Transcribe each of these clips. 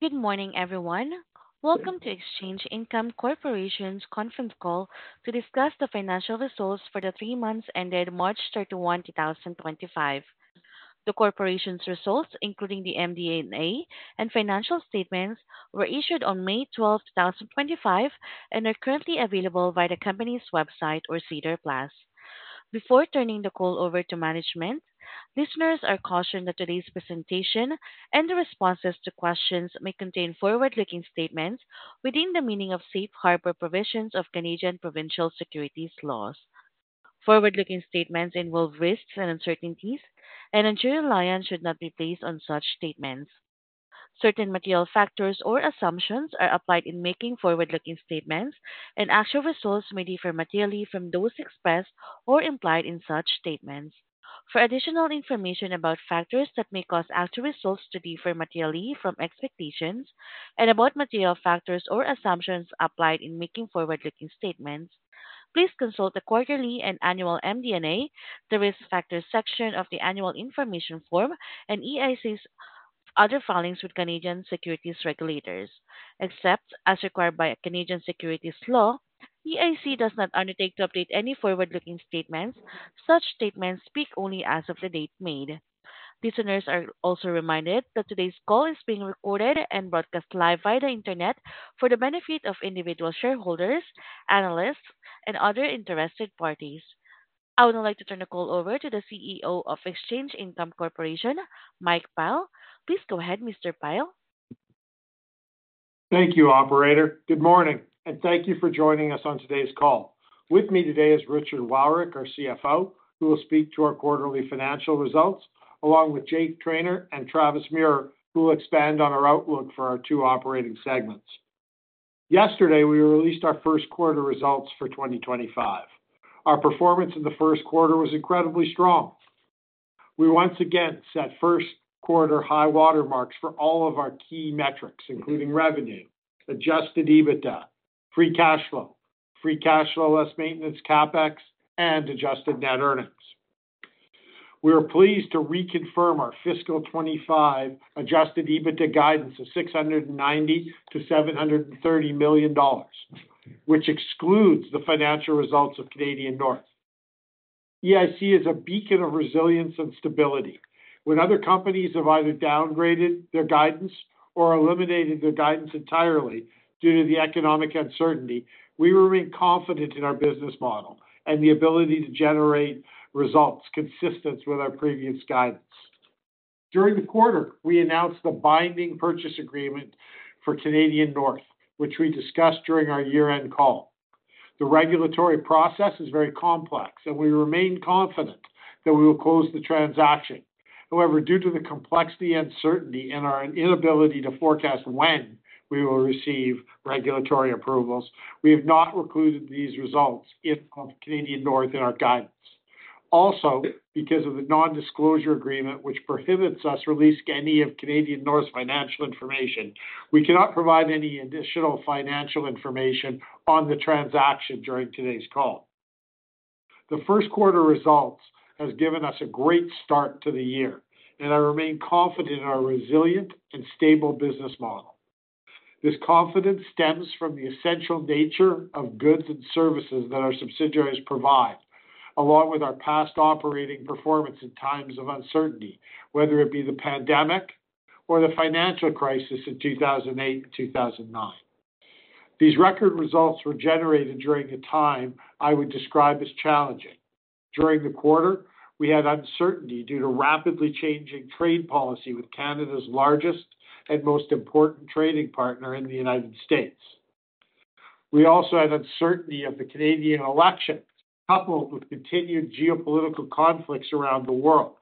Good morning, everyone. Welcome to Exchange Income Corporation's conference call to discuss the financial results for the three months ended March 31, 2025. The corporation's results, including the MD&A and financial statements, were issued on May 12, 2025, and are currently available via the company's website or SEDAR+. Before turning the call over to management, listeners are cautioned that today's presentation and the responses to questions may contain forward-looking statements within the meaning of safe harbor provisions of Canadian provincial securities laws. Forward-looking statements involve risks and uncertainties, and undue reliance should not be placed on such statements. Certain material factors or assumptions are applied in making forward-looking statements, and actual results may differ materially from those expressed or implied in such statements. For additional information about factors that may cause actual results to differ materially from expectations, and about material factors or assumptions applied in making forward-looking statements, please consult the quarterly and annual MD&A, the risk factors section of the annual information form, and EIC's other filings with Canadian securities regulators. Except as required by Canadian securities law, EIC does not undertake to update any forward-looking statements. Such statements speak only as of the date made. Listeners are also reminded that today's call is being recorded and broadcast live via the internet for the benefit of individual shareholders, analysts, and other interested parties. I would now like to turn the call over to the CEO of Exchange Income Corporation, Mike Pyle. Please go ahead, Mr. Pyle. Thank you, Operator. Good morning, and thank you for joining us on today's call. With me today is Richard Wowryk, our CFO, who will speak to our quarterly financial results, along with Jake Trainer and Travis `Muhr, who will expand on our outlook for our two operating segments. Yesterday, we released our first quarter results for 2025. Our performance in the first quarter was incredibly strong. We once again set first quarter high watermarks for all of our key metrics, including revenue, adjusted EBITDA, free cash flow, free cash flow less maintenance CapEx, and adjusted net earnings. We are pleased to reconfirm our fiscal 2025 adjusted EBITDA guidance of $690-$730 million, which excludes the financial results of Canadian North. EIC is a beacon of resilience and stability. When other companies have either downgraded their guidance or eliminated their guidance entirely due to the economic uncertainty, we remain confident in our business model and the ability to generate results consistent with our previous guidance. During the quarter, we announced the binding purchase agreement for Canadian North, which we discussed during our year-end call. The regulatory process is very complex, and we remain confident that we will close the transaction. However, due to the complexity and uncertainty and our inability to forecast when we will receive regulatory approvals, we have not included these results of Canadian North in our guidance. Also, because of the non-disclosure agreement, which prohibits us from releasing any of Canadian North's financial information, we cannot provide any additional financial information on the transaction during today's call. The first quarter results have given us a great start to the year, and I remain confident in our resilient and stable business model. This confidence stems from the essential nature of goods and services that our subsidiaries provide, along with our past operating performance in times of uncertainty, whether it be the pandemic or the financial crisis in 2008 and 2009. These record results were generated during a time I would describe as challenging. During the quarter, we had uncertainty due to rapidly changing trade policy with Canada's largest and most important trading partner in the U.S. We also had uncertainty of the Canadian election, coupled with continued geopolitical conflicts around the world.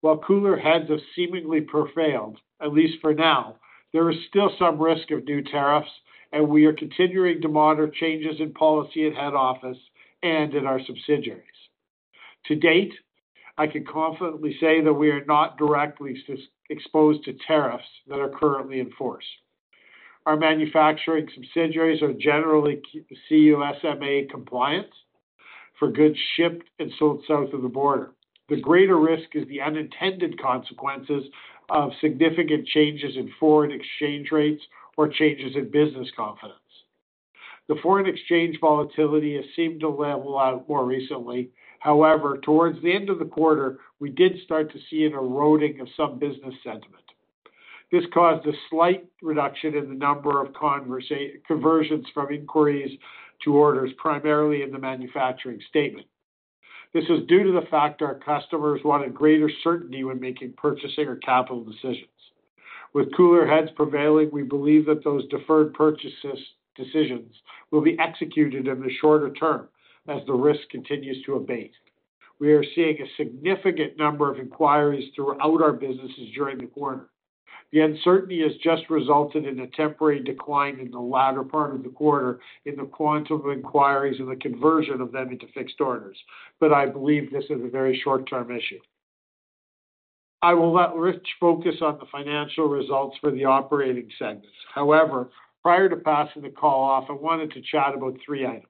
While cooler heads have seemingly prevailed, at least for now, there is still some risk of new tariffs, and we are continuing to monitor changes in policy at head office and in our subsidiaries. To date, I can confidently say that we are not directly exposed to tariffs that are currently in force. Our manufacturing subsidiaries are generally CUSMA compliant for goods shipped and sold south of the border. The greater risk is the unintended consequences of significant changes in foreign exchange rates or changes in business confidence. The foreign exchange volatility has seemed to level out more recently. However, towards the end of the quarter, we did start to see an eroding of some business sentiment. This caused a slight reduction in the number of conversions from inquiries to orders, primarily in the manufacturing segment. This was due to the fact our customers wanted greater certainty when making purchasing or capital decisions. With cooler heads prevailing, we believe that those deferred purchase decisions will be executed in the shorter term as the risk continues to abate. We are seeing a significant number of inquiries throughout our businesses during the quarter. The uncertainty has just resulted in a temporary decline in the latter part of the quarter in the quantum of inquiries and the conversion of them into fixed orders, but I believe this is a very short-term issue. I will let Rich focus on the financial results for the operating segments. However, prior to passing the call off, I wanted to chat about three items.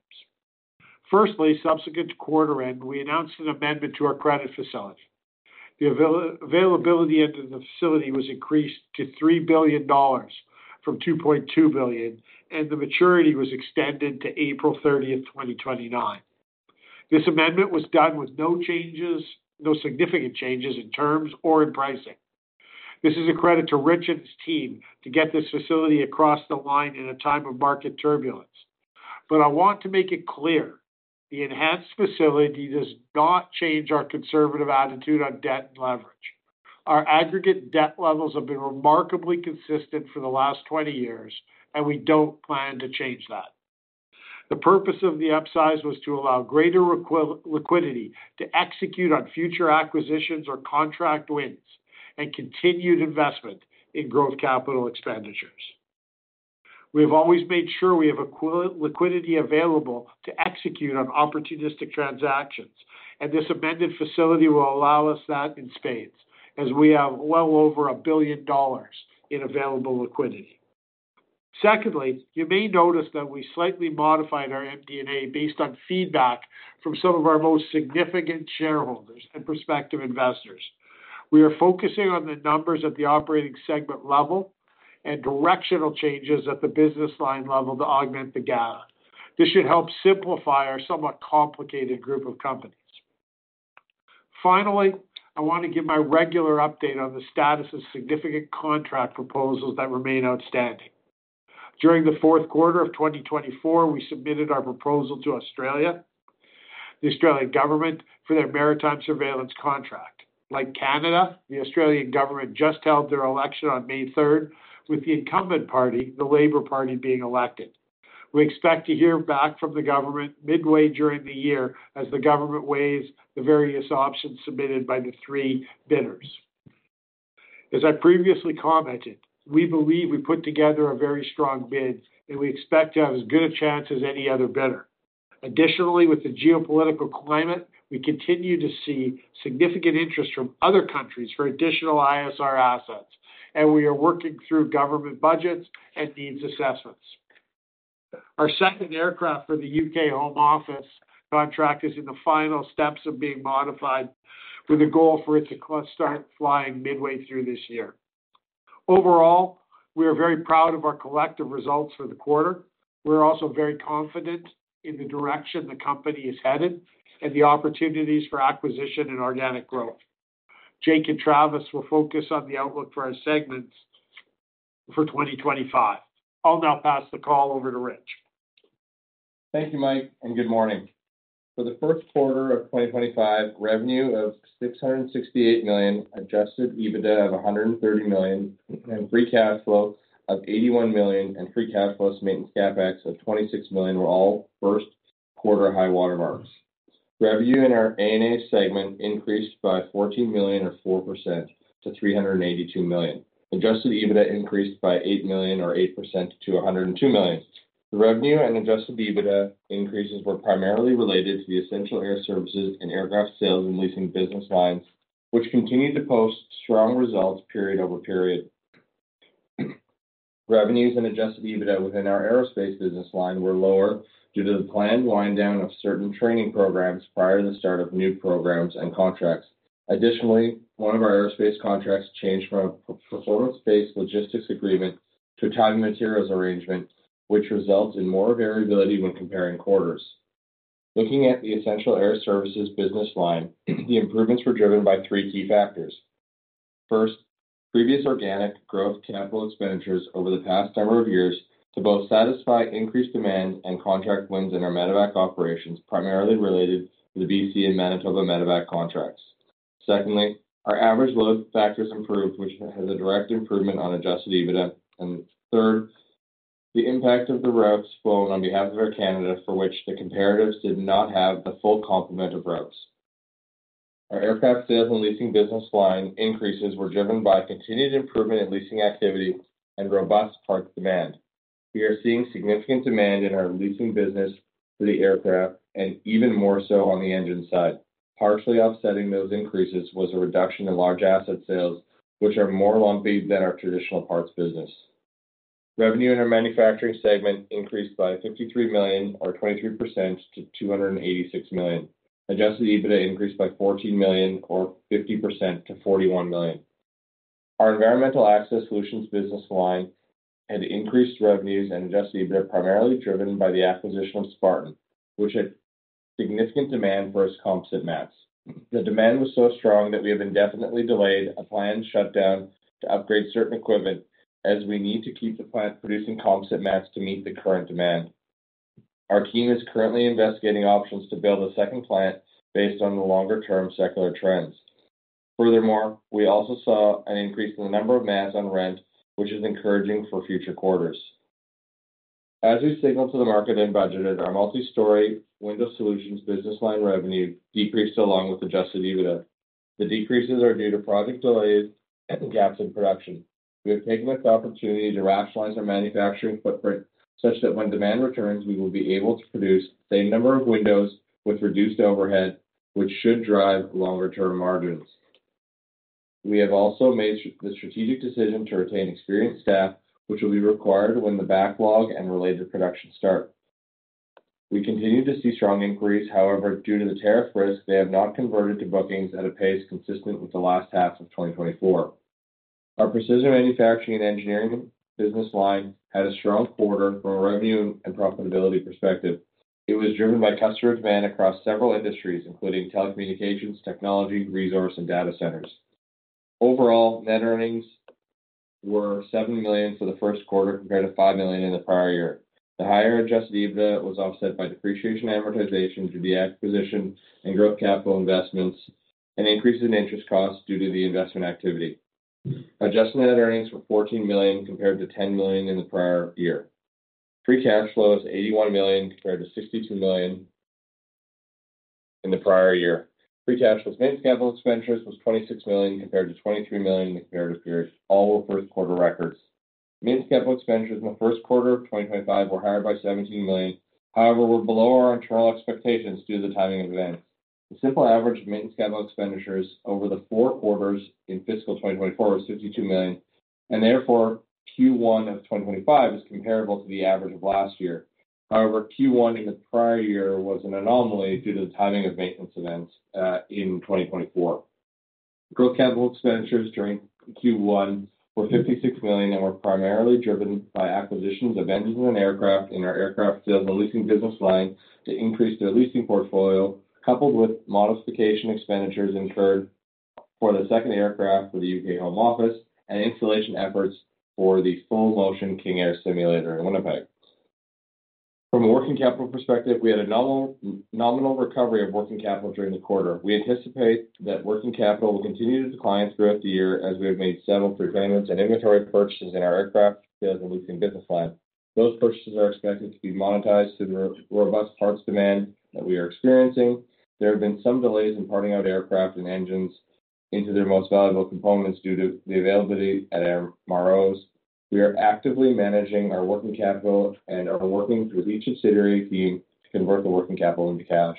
Firstly, subsequent to quarter end, we announced an amendment to our credit facility. The availability into the facility was increased to $3 billion from $2.2 billion, and the maturity was extended to April 30, 2029. This amendment was done with no changes, no significant changes in terms or in pricing. This is a credit to Rich Wowryk and his team to get this facility across the line in a time of market turbulence. I want to make it clear the enhanced facility does not change our conservative attitude on debt and leverage. Our aggregate debt levels have been remarkably consistent for the last 20 years, and we do not plan to change that. The purpose of the upsize was to allow greater liquidity to execute on future acquisitions or contract wins and continued investment in growth capital expenditures. We have always made sure we have equivalent liquidity available to execute on opportunistic transactions, and this amended facility will allow us that in spades, as we have well over $1 billion in available liquidity. Secondly, you may notice that we slightly modified our MD&A based on feedback from some of our most significant shareholders and prospective investors. We are focusing on the numbers at the operating segment level and directional changes at the business line level to augment the data. This should help simplify our somewhat complicated group of companies. Finally, I want to give my regular update on the status of significant contract proposals that remain outstanding. During the fourth quarter of 2024, we submitted our proposal to Australia, the Australian government, for their maritime surveillance contract. Like Canada, the Australian government just held their election on May 3rd, with the incumbent party, the Labour Party, being elected. We expect to hear back from the government midway during the year as the government weighs the various options submitted by the three bidders. As I previously commented, we believe we put together a very strong bid, and we expect to have as good a chance as any other bidder. Additionally, with the geopolitical climate, we continue to see significant interest from other countries for additional ISR assets, and we are working through government budgets and needs assessments. Our second aircraft for the U.K. home office contract is in the final steps of being modified, with a goal for it to start flying midway through this year. Overall, we are very proud of our collective results for the quarter. We're also very confident in the direction the company is headed and the opportunities for acquisition and organic growth. Jake and Travis will focus on the outlook for our segments for 2025. I'll now pass the call over to Rich. Thank you, Mike, and good morning. For the first quarter of 2025, revenue of $668 million, adjusted EBITDA of $130 million, and free cash flow of $81 million, and free cash flow maintenance CapEx of $26 million were all first quarter high watermarks. Revenue in our A&A segment increased by $14 million, or 4%, to $382 million. Adjusted EBITDA increased by $8 million, or 8%, to $102 million. The revenue and adjusted EBITDA increases were primarily related to the essential air services and aircraft sales and leasing business lines, which continued to post strong results period over period. Revenues and adjusted EBITDA within our aerospace business line were lower due to the planned wind down of certain training programs prior to the start of new programs and contracts. Additionally, one of our aerospace contracts changed from a performance-based logistics agreement to a time and materials arrangement, which resulted in more variability when comparing quarters. Looking at the essential air services business line, the improvements were driven by three key factors. First, previous organic growth capital expenditures over the past number of years to both satisfy increased demand and contract wins in our medevac operations, primarily related to the BC and Manitoba medevac contracts. Second, our average load factors improved, which has a direct improvement on adjusted EBITDA. Third, the impact of the routes flown on behalf of our candidate, for which the comparatives did not have the full complement of routes. Our aircraft sales and leasing business line increases were driven by continued improvement in leasing activity and robust parts demand. We are seeing significant demand in our leasing business for the aircraft and even more so on the engine side. Partially offsetting those increases was a reduction in large asset sales, which are more lumpy than our traditional parts business. Revenue in our manufacturing segment increased by $53 million, or 23%, to $286 million. Adjusted EBITDA increased by $14 million, or 50%, to $41 million. Our environmental access solutions business line had increased revenues and adjusted EBITDA primarily driven by the acquisition of Spartan, which had significant demand for its composite mats. The demand was so strong that we have indefinitely delayed a planned shutdown to upgrade certain equipment as we need to keep the plant producing composite mats to meet the current demand. Our team is currently investigating options to build a second plant based on the longer-term secular trends. Furthermore, we also saw an increase in the number of mats on rent, which is encouraging for future quarters. As we signaled to the market and budgeted, our multistory window solutions business line revenue decreased along with adjusted EBITDA. The decreases are due to project delays and gaps in production. We have taken this opportunity to rationalize our manufacturing footprint such that when demand returns, we will be able to produce the same number of windows with reduced overhead, which should drive longer-term margins. We have also made the strategic decision to retain experienced staff, which will be required when the backlog and related production start. We continue to see strong increase. However, due to the tariff risk, they have not converted to bookings at a pace consistent with the last half of 2024. Our precision manufacturing and engineering business line had a strong quarter from a revenue and profitability perspective. It was driven by customer demand across several industries, including telecommunications, technology, resource, and data centers. Overall, net earnings were $7 million for the first quarter compared to $5 million in the prior year. The higher adjusted EBITDA was offset by depreciation amortization due to the acquisition and growth capital investments and increases in interest costs due to the investment activity. Adjusted net earnings were $14 million compared to $10 million in the prior year. Free cash flow was $81 million compared to $62 million in the prior year. Free cash flow maintenance capital expenditures was $26 million compared to $23 million in the comparative period. All were first quarter records. Maintenance capital expenditures in the first quarter of 2025 were higher by $17 million. However, we're below our internal expectations due to the timing of events. The simple average of maintenance capital expenditures over the four quarters in fiscal 2024 was $52 million, and therefore Q1 of 2025 is comparable to the average of last year. However, Q1 in the prior year was an anomaly due to the timing of maintenance events in 2024. Growth capital expenditures during Q1 were $56 million and were primarily driven by acquisitions of engines and aircraft in our aircraft sales and leasing business line to increase their leasing portfolio, coupled with modification expenditures incurred for the second aircraft for the U.K. home office and installation efforts for the full-motion King Air simulator in Winnipeg. From a working capital perspective, we had a nominal recovery of working capital during the quarter. We anticipate that working capital will continue to decline throughout the year as we have made several prepayments and inventory purchases in our aircraft sales and leasing business line. Those purchases are expected to be monetized to the robust parts demand that we are experiencing. There have been some delays in parting out aircraft and engines into their most valuable components due to the availability at MROs. We are actively managing our working capital and are working with each subsidiary team to convert the working capital into cash.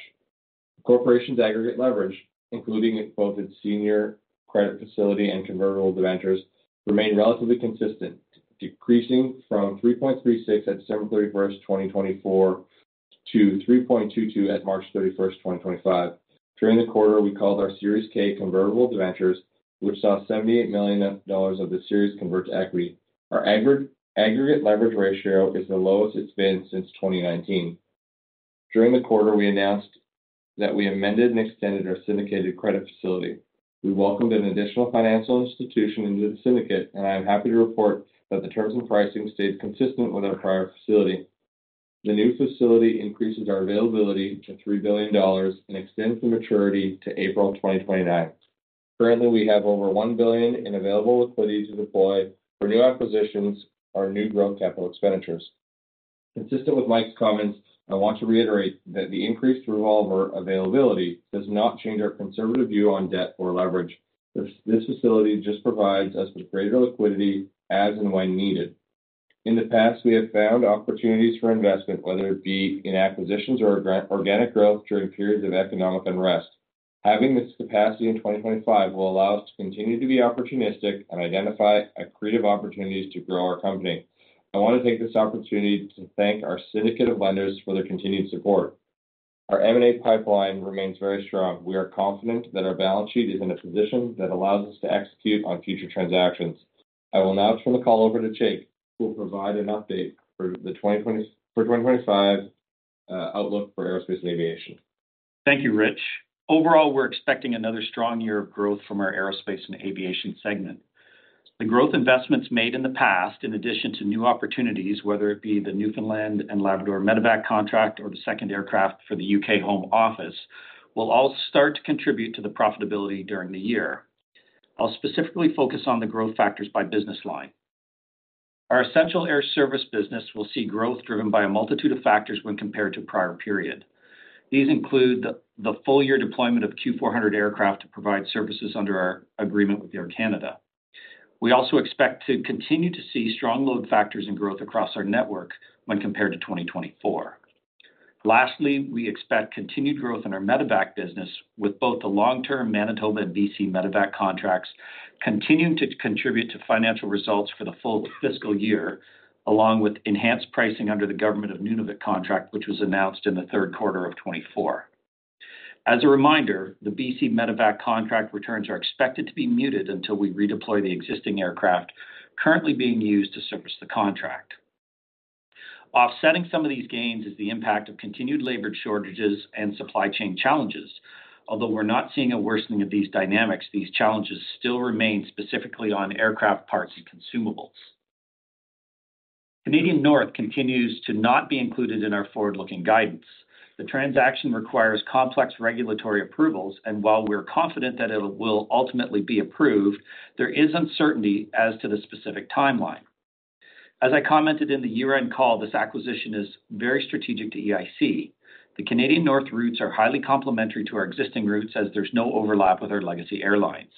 Corporation's aggregate leverage, including both its senior credit facility and convertible debentures, remained relatively consistent, decreasing from $3.36 at December 31, 2024, to $3.22 at March 31, 2025. During the quarter, we called our Series K convertible debentures, which saw $78 million of the series convert to equity. Our aggregate leverage ratio is the lowest it's been since 2019. During the quarter, we announced that we amended and extended our syndicated credit facility. We welcomed an additional financial institution into the syndicate, and I am happy to report that the terms and pricing stayed consistent with our prior facility. The new facility increases our availability to $3 billion and extends the maturity to April 2029. Currently, we have over $1 billion in available liquidity to deploy for new acquisitions or new growth capital expenditures. Consistent with Mike's comments, I want to reiterate that the increased revolver availability does not change our conservative view on debt or leverage. This facility just provides us with greater liquidity as and when needed. In the past, we have found opportunities for investment, whether it be in acquisitions or organic growth during periods of economic unrest. Having this capacity in 2025 will allow us to continue to be opportunistic and identify accretive opportunities to grow our company. I want to take this opportunity to thank our syndicate of lenders for their continued support. Our M&A pipeline remains very strong. We are confident that our balance sheet is in a position that allows us to execute on future transactions. I will now turn the call over to Jake, who will provide an update for the 2025 outlook for aerospace and aviation. Thank you, Rich. Overall, we're expecting another strong year of growth from our aerospace and aviation segment. The growth investments made in the past, in addition to new opportunities, whether it be the Newfoundland and Labrador medevac contract or the second aircraft for the U.K. home office, will all start to contribute to the profitability during the year. I'll specifically focus on the growth factors by business line. Our essential air service business will see growth driven by a multitude of factors when compared to a prior period. These include the full-year deployment of Q400 aircraft to provide services under our agreement with Air Canada. We also expect to continue to see strong load factors and growth across our network when compared to 2024. Lastly, we expect continued growth in our medevac business with both the long-term Manitoba and BC medevac contracts continuing to contribute to financial results for the full fiscal year, along with enhanced pricing under the Government of Nunavut contract, which was announced in the third quarter of 2024. As a reminder, the BC medevac contract returns are expected to be muted until we redeploy the existing aircraft currently being used to service the contract. Offsetting some of these gains is the impact of continued labor shortages and supply chain challenges. Although we're not seeing a worsening of these dynamics, these challenges still remain specifically on aircraft parts and consumables. Canadian North continues to not be included in our forward-looking guidance. The transaction requires complex regulatory approvals, and while we're confident that it will ultimately be approved, there is uncertainty as to the specific timeline. As I commented in the year-end call, this acquisition is very strategic to EIC. The Canadian North routes are highly complementary to our existing routes as there's no overlap with our legacy airlines.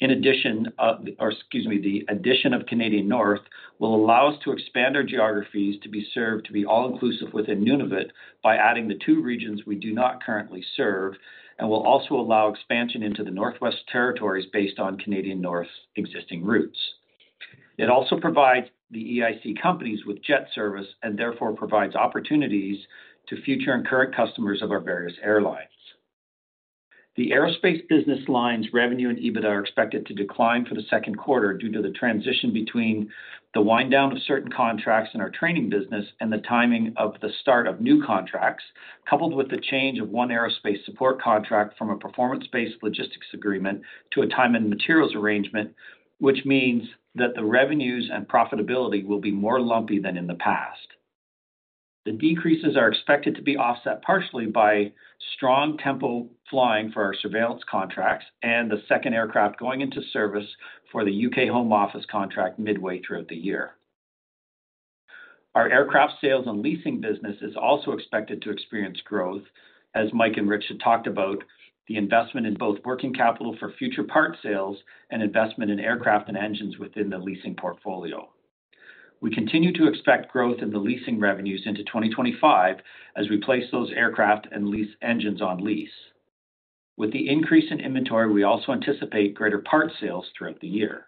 In addition, excuse me, the addition of Canadian North will allow us to expand our geographies to be served to be all-inclusive within Nunavut by adding the two regions we do not currently serve, and will also allow expansion into the Northwest Territories based on Canadian North's existing routes. It also provides the EIC companies with jet service and therefore provides opportunities to future and current customers of our various airlines. The aerospace business line's revenue and EBITDA are expected to decline for the second quarter due to the transition between the wind down of certain contracts in our training business and the timing of the start of new contracts, coupled with the change of one aerospace support contract from a performance-based logistics agreement to a time and materials arrangement, which means that the revenues and profitability will be more lumpy than in the past. The decreases are expected to be offset partially by strong tempo flying for our surveillance contracts and the second aircraft going into service for the U.K. home office contract midway throughout the year. Our aircraft sales and leasing business is also expected to experience growth, as Mike and Rich had talked about, the investment in both working capital for future part sales and investment in aircraft and engines within the leasing portfolio. We continue to expect growth in the leasing revenues into 2025 as we place those aircraft and lease engines on lease. With the increase in inventory, we also anticipate greater part sales throughout the year.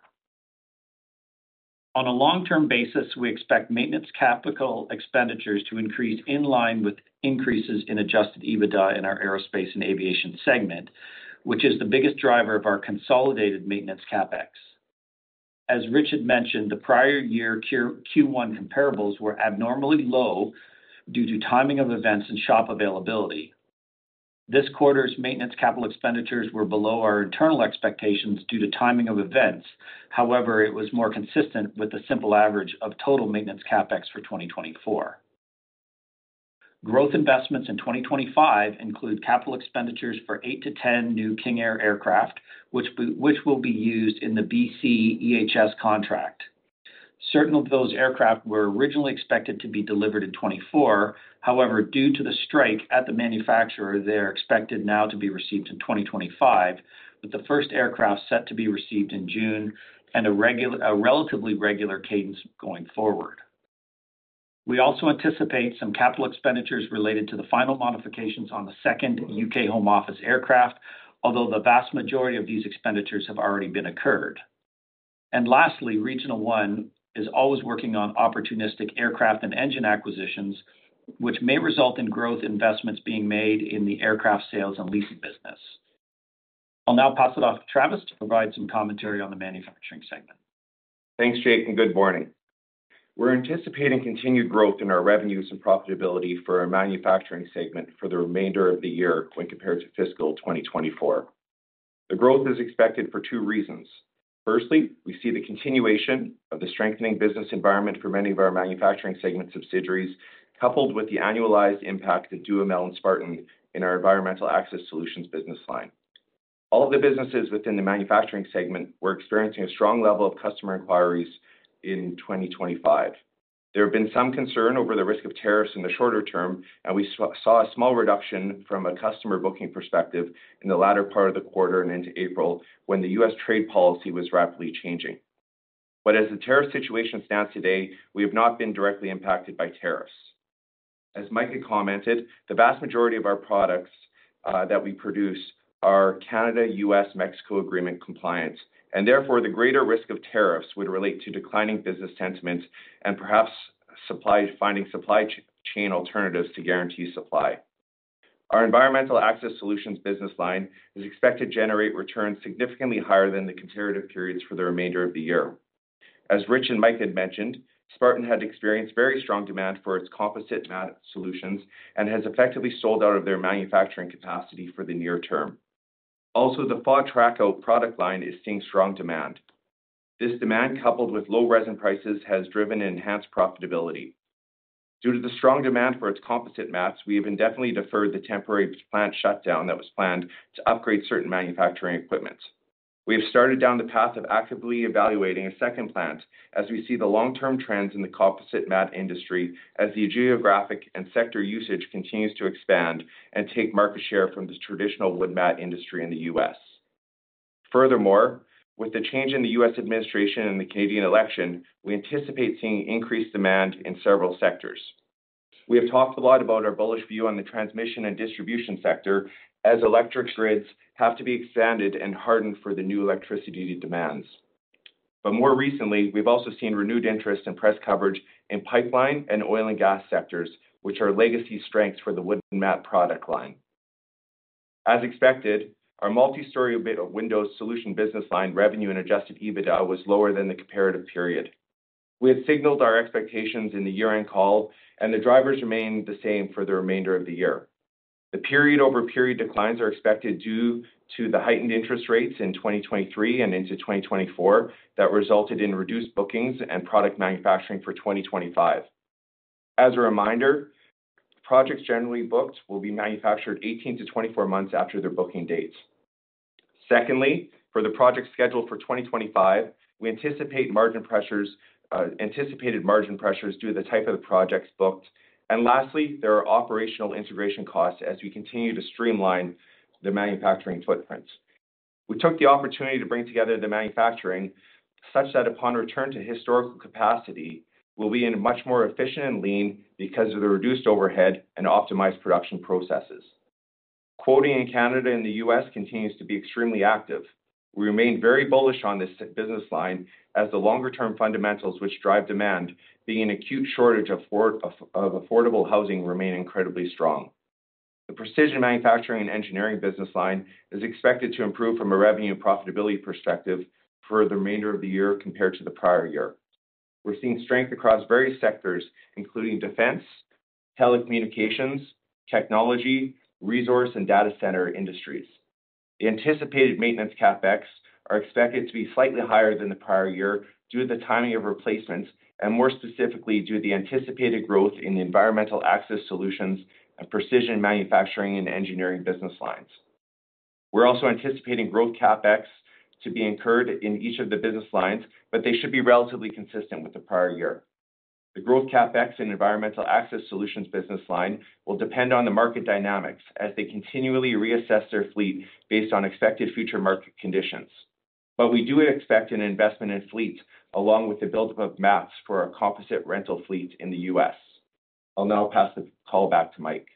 On a long-term basis, we expect maintenance capital expenditures to increase in line with increases in adjusted EBITDA in our aerospace and aviation segment, which is the biggest driver of our consolidated maintenance CapEx. As Richard mentioned, the prior year Q1 comparables were abnormally low due to timing of events and shop availability. This quarter's maintenance capital expenditures were below our internal expectations due to timing of events. However, it was more consistent with the simple average of total maintenance CapEx for 2024. Growth investments in 2025 include capital expenditures for eight to 10 new King Air aircraft, which will be used in the BC EHS contract. Certain of those aircraft were originally expected to be delivered in 2024. However, due to the strike at the manufacturer, they are expected now to be received in 2025, with the first aircraft set to be received in June and a relatively regular cadence going forward. We also anticipate some capital expenditures related to the final modifications on the second U.K. home office aircraft, although the vast majority of these expenditures have already been occurred. Lastly, Regional One is always working on opportunistic aircraft and engine acquisitions, which may result in growth investments being made in the aircraft sales and leasing business. I'll now pass it off to Travis to provide some commentary on the manufacturing segment. Thanks, Jake, and good morning. We're anticipating continued growth in our revenues and profitability for our manufacturing segment for the remainder of the year when compared to fiscal 2024. The growth is expected for two reasons. Firstly, we see the continuation of the strengthening business environment for many of our manufacturing segment subsidiaries, coupled with the annualized impact of DuoMel and Spartan in our environmental access solutions business line. All of the businesses within the manufacturing segment were experiencing a strong level of customer inquiries in 2025. There have been some concern over the risk of tariffs in the shorter term, and we saw a small reduction from a customer booking perspective in the latter part of the quarter and into April when the U.S. trade policy was rapidly changing. As the tariff situation stands today, we have not been directly impacted by tariffs. As Mike had commented, the vast majority of our products that we produce are CUSMA compliant, and therefore the greater risk of tariffs would relate to declining business sentiment and perhaps finding supply chain alternatives to guarantee supply. Our environmental access solutions business line is expected to generate returns significantly higher than the comparative periods for the remainder of the year. As Rich and Mike had mentioned, Spartan had experienced very strong demand for its composite mat solutions and has effectively sold out of their manufacturing capacity for the near term. Also, the FOD Traco product line is seeing strong demand. This demand, coupled with low resin prices, has driven enhanced profitability. Due to the strong demand for its composite mats, we have indefinitely deferred the temporary plant shutdown that was planned to upgrade certain manufacturing equipment. We have started down the path of actively evaluating a second plant as we see the long-term trends in the composite mat industry as the geographic and sector usage continues to expand and take market share from the traditional wood mat industry in the U.S. Furthermore, with the change in the U.S. administration and the Canadian election, we anticipate seeing increased demand in several sectors. We have talked a lot about our bullish view on the transmission and distribution sector as electric grids have to be expanded and hardened for the new electricity demands. More recently, we've also seen renewed interest and press coverage in pipeline and oil and gas sectors, which are legacy strengths for the wooden mat product line. As expected, our multistory window solution business line revenue and adjusted EBITDA was lower than the comparative period. We had signaled our expectations in the year-end call, and the drivers remain the same for the remainder of the year. The period-over-period declines are expected due to the heightened interest rates in 2023 and into 2024 that resulted in reduced bookings and product manufacturing for 2025. As a reminder, projects generally booked will be manufactured 18 to 24 months after their booking dates. Secondly, for the projects scheduled for 2025, we anticipate margin pressures, anticipated margin pressures due to the type of the projects booked. Lastly, there are operational integration costs as we continue to streamline the manufacturing footprint. We took the opportunity to bring together the manufacturing such that upon return to historical capacity, we'll be much more efficient and lean because of the reduced overhead and optimized production processes. Quoting in Canada and the U.S. continues to be extremely active. We remain very bullish on this business line as the longer-term fundamentals, which drive demand, being an acute shortage of affordable housing, remain incredibly strong. The precision manufacturing and engineering business line is expected to improve from a revenue and profitability perspective for the remainder of the year compared to the prior year. We're seeing strength across various sectors, including defense, telecommunications, technology, resource, and data center industries. The anticipated maintenance CapEx are expected to be slightly higher than the prior year due to the timing of replacements and more specifically due to the anticipated growth in the environmental access solutions and precision manufacturing and engineering business lines. We're also anticipating growth CapEx to be incurred in each of the business lines, but they should be relatively consistent with the prior year. The growth CapEx in environmental access solutions business line will depend on the market dynamics as they continually reassess their fleet based on expected future market conditions. We do expect an investment in fleets along with the buildup of mats for our composite rental fleet in the U.S. I'll now pass the call back to Mike.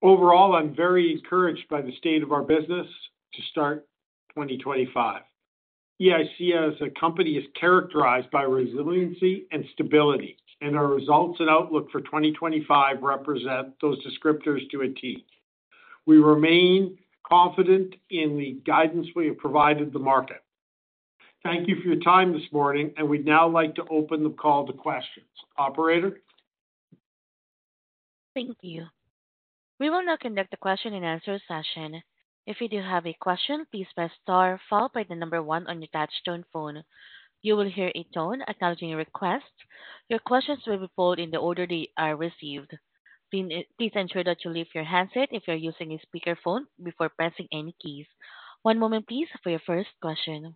Overall, I'm very encouraged by the state of our business to start 2025. EIC as a company is characterized by resiliency and stability, and our results and outlook for 2025 represent those descriptors to a T. We remain confident in the guidance we have provided the market. Thank you for your time this morning, and we'd now like to open the call to questions. Operator. Thank you. We will now conduct a question and answer session. If you do have a question, please press star followed by the number one on your touch-tone phone. You will hear a tone acknowledging your request. Your questions will be pulled in the order they are received. Please ensure that you leave your handset if you're using a speakerphone before pressing any keys. One moment, please, for your first question.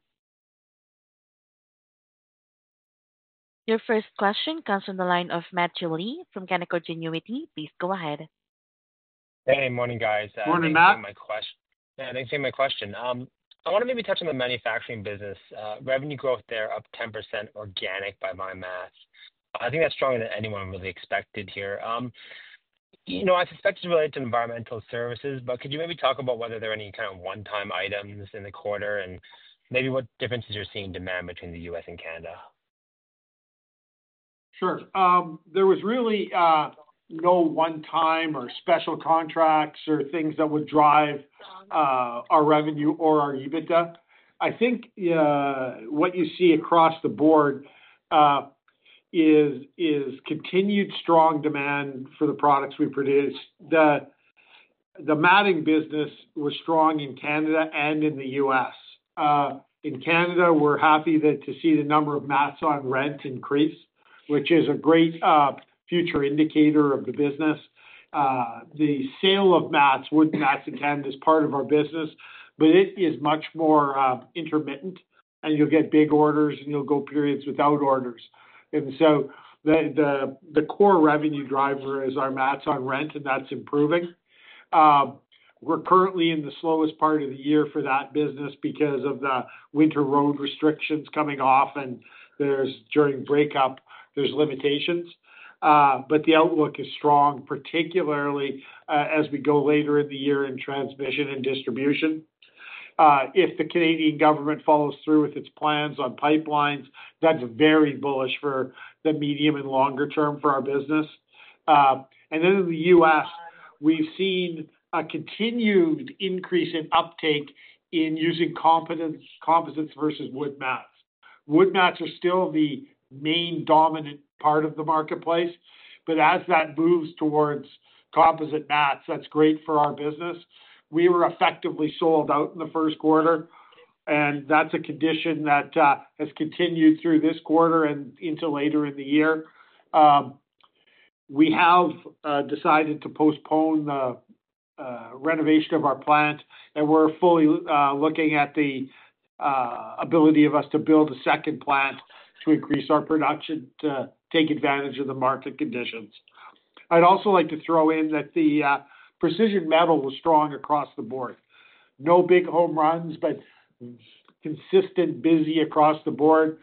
Your first question comes from the line of Matt Cicci from Canaccord Genuity. Please go ahead. Hey, morning, guys. Morning, Matt. Thanks for taking my question. I want to maybe touch on the manufacturing business. Revenue growth there up 10% organic by my math. I think that's stronger than anyone really expected here. I suspect it's related to environmental services, but could you maybe talk about whether there are any kind of one-time items in the quarter and maybe what differences you're seeing in demand between the U.S. and Canada? Sure. There was really no one-time or special contracts or things that would drive our revenue or our EBITDA. I think what you see across the board is continued strong demand for the products we produce. The matting business was strong in Canada and in the U.S. In Canada, we're happy to see the number of mats on rent increase, which is a great future indicator of the business. The sale of mats, wooden mats in Canada, is part of our business, but it is much more intermittent, and you'll get big orders, and you'll go periods without orders. The core revenue driver is our mats on rent, and that's improving. We're currently in the slowest part of the year for that business because of the winter road restrictions coming off, and during breakup, there's limitations. The outlook is strong, particularly as we go later in the year in transmission and distribution. If the Canadian government follows through with its plans on pipelines, that's very bullish for the medium and longer term for our business. In the U.S., we've seen a continued increase in uptake in using composites versus wood mats. Wood mats are still the main dominant part of the marketplace, but as that moves towards composite mats, that's great for our business. We were effectively sold out in the first quarter, and that's a condition that has continued through this quarter and into later in the year. We have decided to postpone the renovation of our plant, and we're fully looking at the ability of us to build a second plant to increase our production to take advantage of the market conditions. I'd also like to throw in that the precision metal was strong across the board. No big home runs, but consistent busy across the board.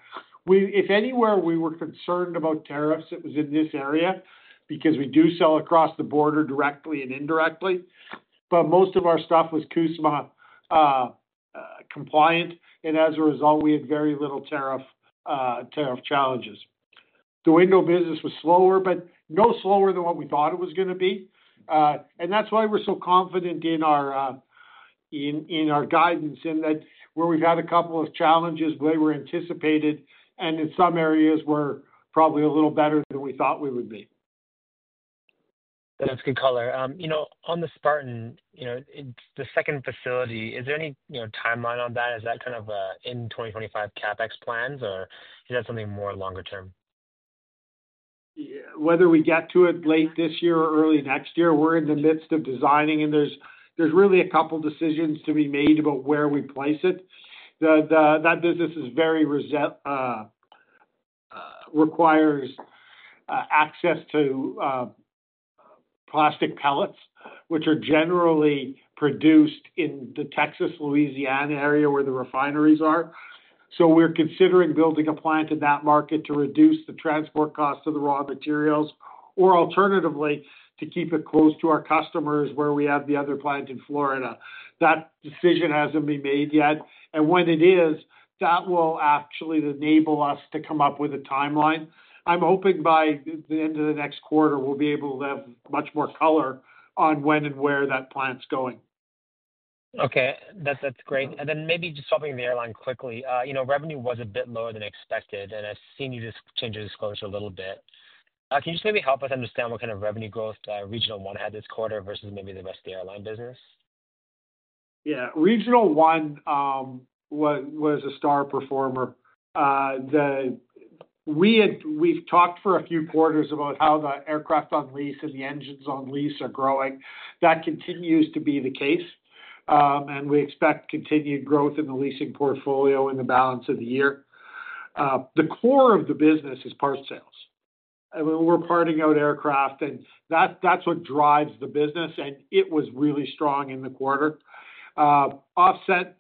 If anywhere we were concerned about tariffs, it was in this area because we do sell across the border directly and indirectly. Most of our stuff was CUSMA compliant, and as a result, we had very little tariff challenges. The window business was slower, but no slower than what we thought it was going to be. That is why we're so confident in our guidance in that where we've had a couple of challenges where they were anticipated, and in some areas were probably a little better than we thought we would be. That's good color. On the Spartan, the second facility, is there any timeline on that? Is that kind of in 2025 CapEx plans, or is that something more longer term? Whether we get to it late this year or early next year, we're in the midst of designing, and there's really a couple of decisions to be made about where we place it. That business is very requires access to plastic pellets, which are generally produced in the Texas-Louisiana area where the refineries are. We are considering building a plant in that market to reduce the transport cost of the raw materials, or alternatively, to keep it close to our customers where we have the other plant in Florida. That decision hasn't been made yet. When it is, that will actually enable us to come up with a timeline. I'm hoping by the end of the next quarter, we'll be able to have much more color on when and where that plant's going. Okay. That's great. Maybe just swapping the airline quickly, revenue was a bit lower than expected, and I've seen you just change your disclosure a little bit. Can you just maybe help us understand what kind of revenue growth Regional One had this quarter versus maybe the rest of the airline business? Yeah. Regional One was a star performer. We've talked for a few quarters about how the aircraft on lease and the engines on lease are growing. That continues to be the case, and we expect continued growth in the leasing portfolio in the balance of the year. The core of the business is part sales. I mean, we're parting out aircraft, and that's what drives the business, and it was really strong in the quarter, offset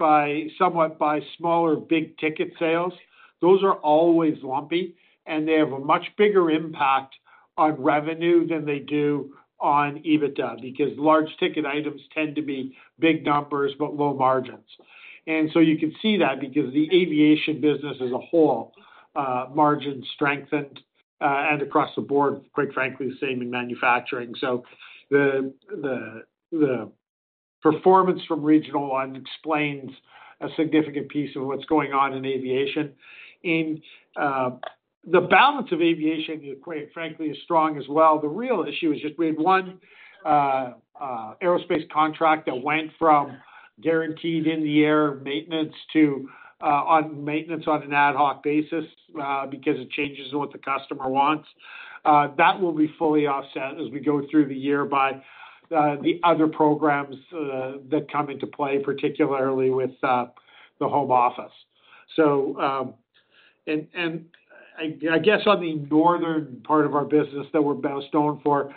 somewhat by smaller big ticket sales. Those are always lumpy, and they have a much bigger impact on revenue than they do on EBITDA because large ticket items tend to be big numbers but low margins. You can see that because the aviation business as a whole margin strengthened, and across the board, quite frankly, the same in manufacturing. The performance from Regional One explains a significant piece of what's going on in aviation. The balance of aviation, quite frankly, is strong as well. The real issue is just we had one aerospace contract that went from guaranteed in-the-air maintenance to on maintenance on an ad hoc basis because it changes what the customer wants. That will be fully offset as we go through the year by the other programs that come into play, particularly with the home office. I guess on the northern part of our business that we're best known for,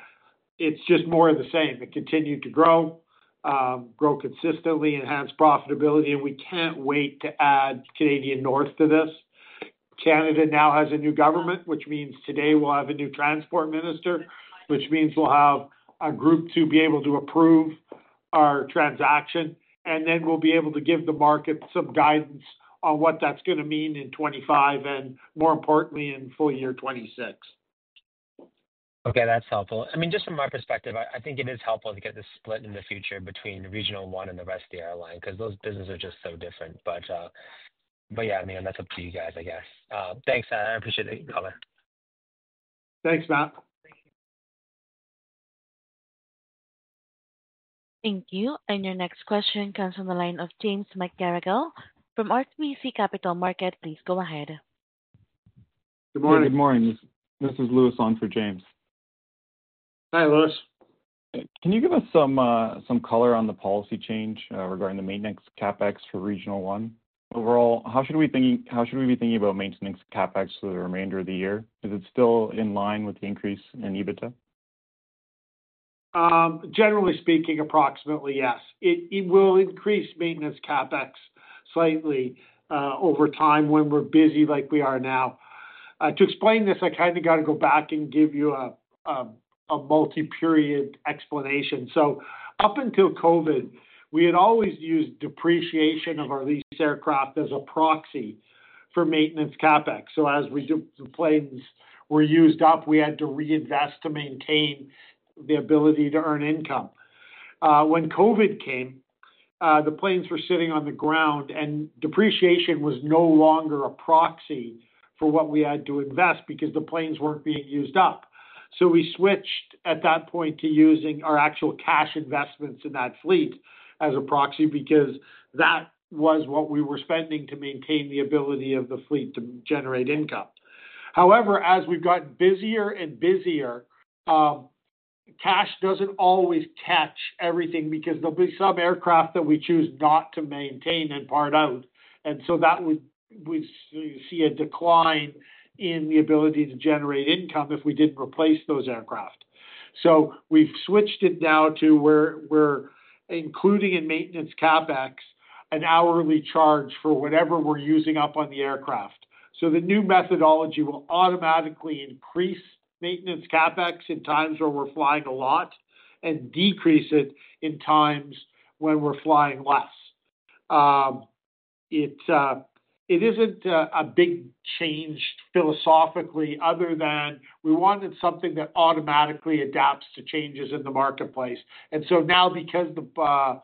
it's just more of the same. It continued to grow, grow consistently, enhance profitability, and we can't wait to add Canadian North to this. Canada now has a new government, which means today we'll have a new transport minister, which means we'll have a group to be able to approve our transaction, and then we'll be able to give the market some guidance on what that's going to mean in 2025 and, more importantly, in full year 2026. Okay. That's helpful. I mean, just from my perspective, I think it is helpful to get this split in the future between Regional One and the rest of the airline because those businesses are just so different. Yeah, I mean, that's up to you guys, I guess. Thanks, I appreciate it. You can call it. Thanks, Matt. Thank you. Your next question comes from the line of James McGarragle from RBC Capital Markets. Please go ahead. Good morning. Good morning. This is Louis on for James. Hi, Louis. Can you give us some color on the policy change regarding the maintenance CapEx for Regional One? Overall, how should we be thinking about maintenance CapEx for the remainder of the year? Is it still in line with the increase in EBITDA? Generally speaking, approximately, yes. It will increase maintenance CapEx slightly over time when we're busy like we are now. To explain this, I kind of got to go back and give you a multi-period explanation. Up until COVID, we had always used depreciation of our leased aircraft as a proxy for maintenance CapEx. As the planes were used up, we had to reinvest to maintain the ability to earn income. When COVID came, the planes were sitting on the ground, and depreciation was no longer a proxy for what we had to invest because the planes weren't being used up. We switched at that point to using our actual cash investments in that fleet as a proxy because that was what we were spending to maintain the ability of the fleet to generate income. However, as we've gotten busier and busier, cash doesn't always catch everything because there'll be some aircraft that we choose not to maintain and part out. That would see a decline in the ability to generate income if we didn't replace those aircraft. We've switched it now to where we're including in maintenance CapEx an hourly charge for whatever we're using up on the aircraft. The new methodology will automatically increase maintenance CapEx in times where we're flying a lot and decrease it in times when we're flying less. It isn't a big change philosophically other than we wanted something that automatically adapts to changes in the marketplace. Now, because the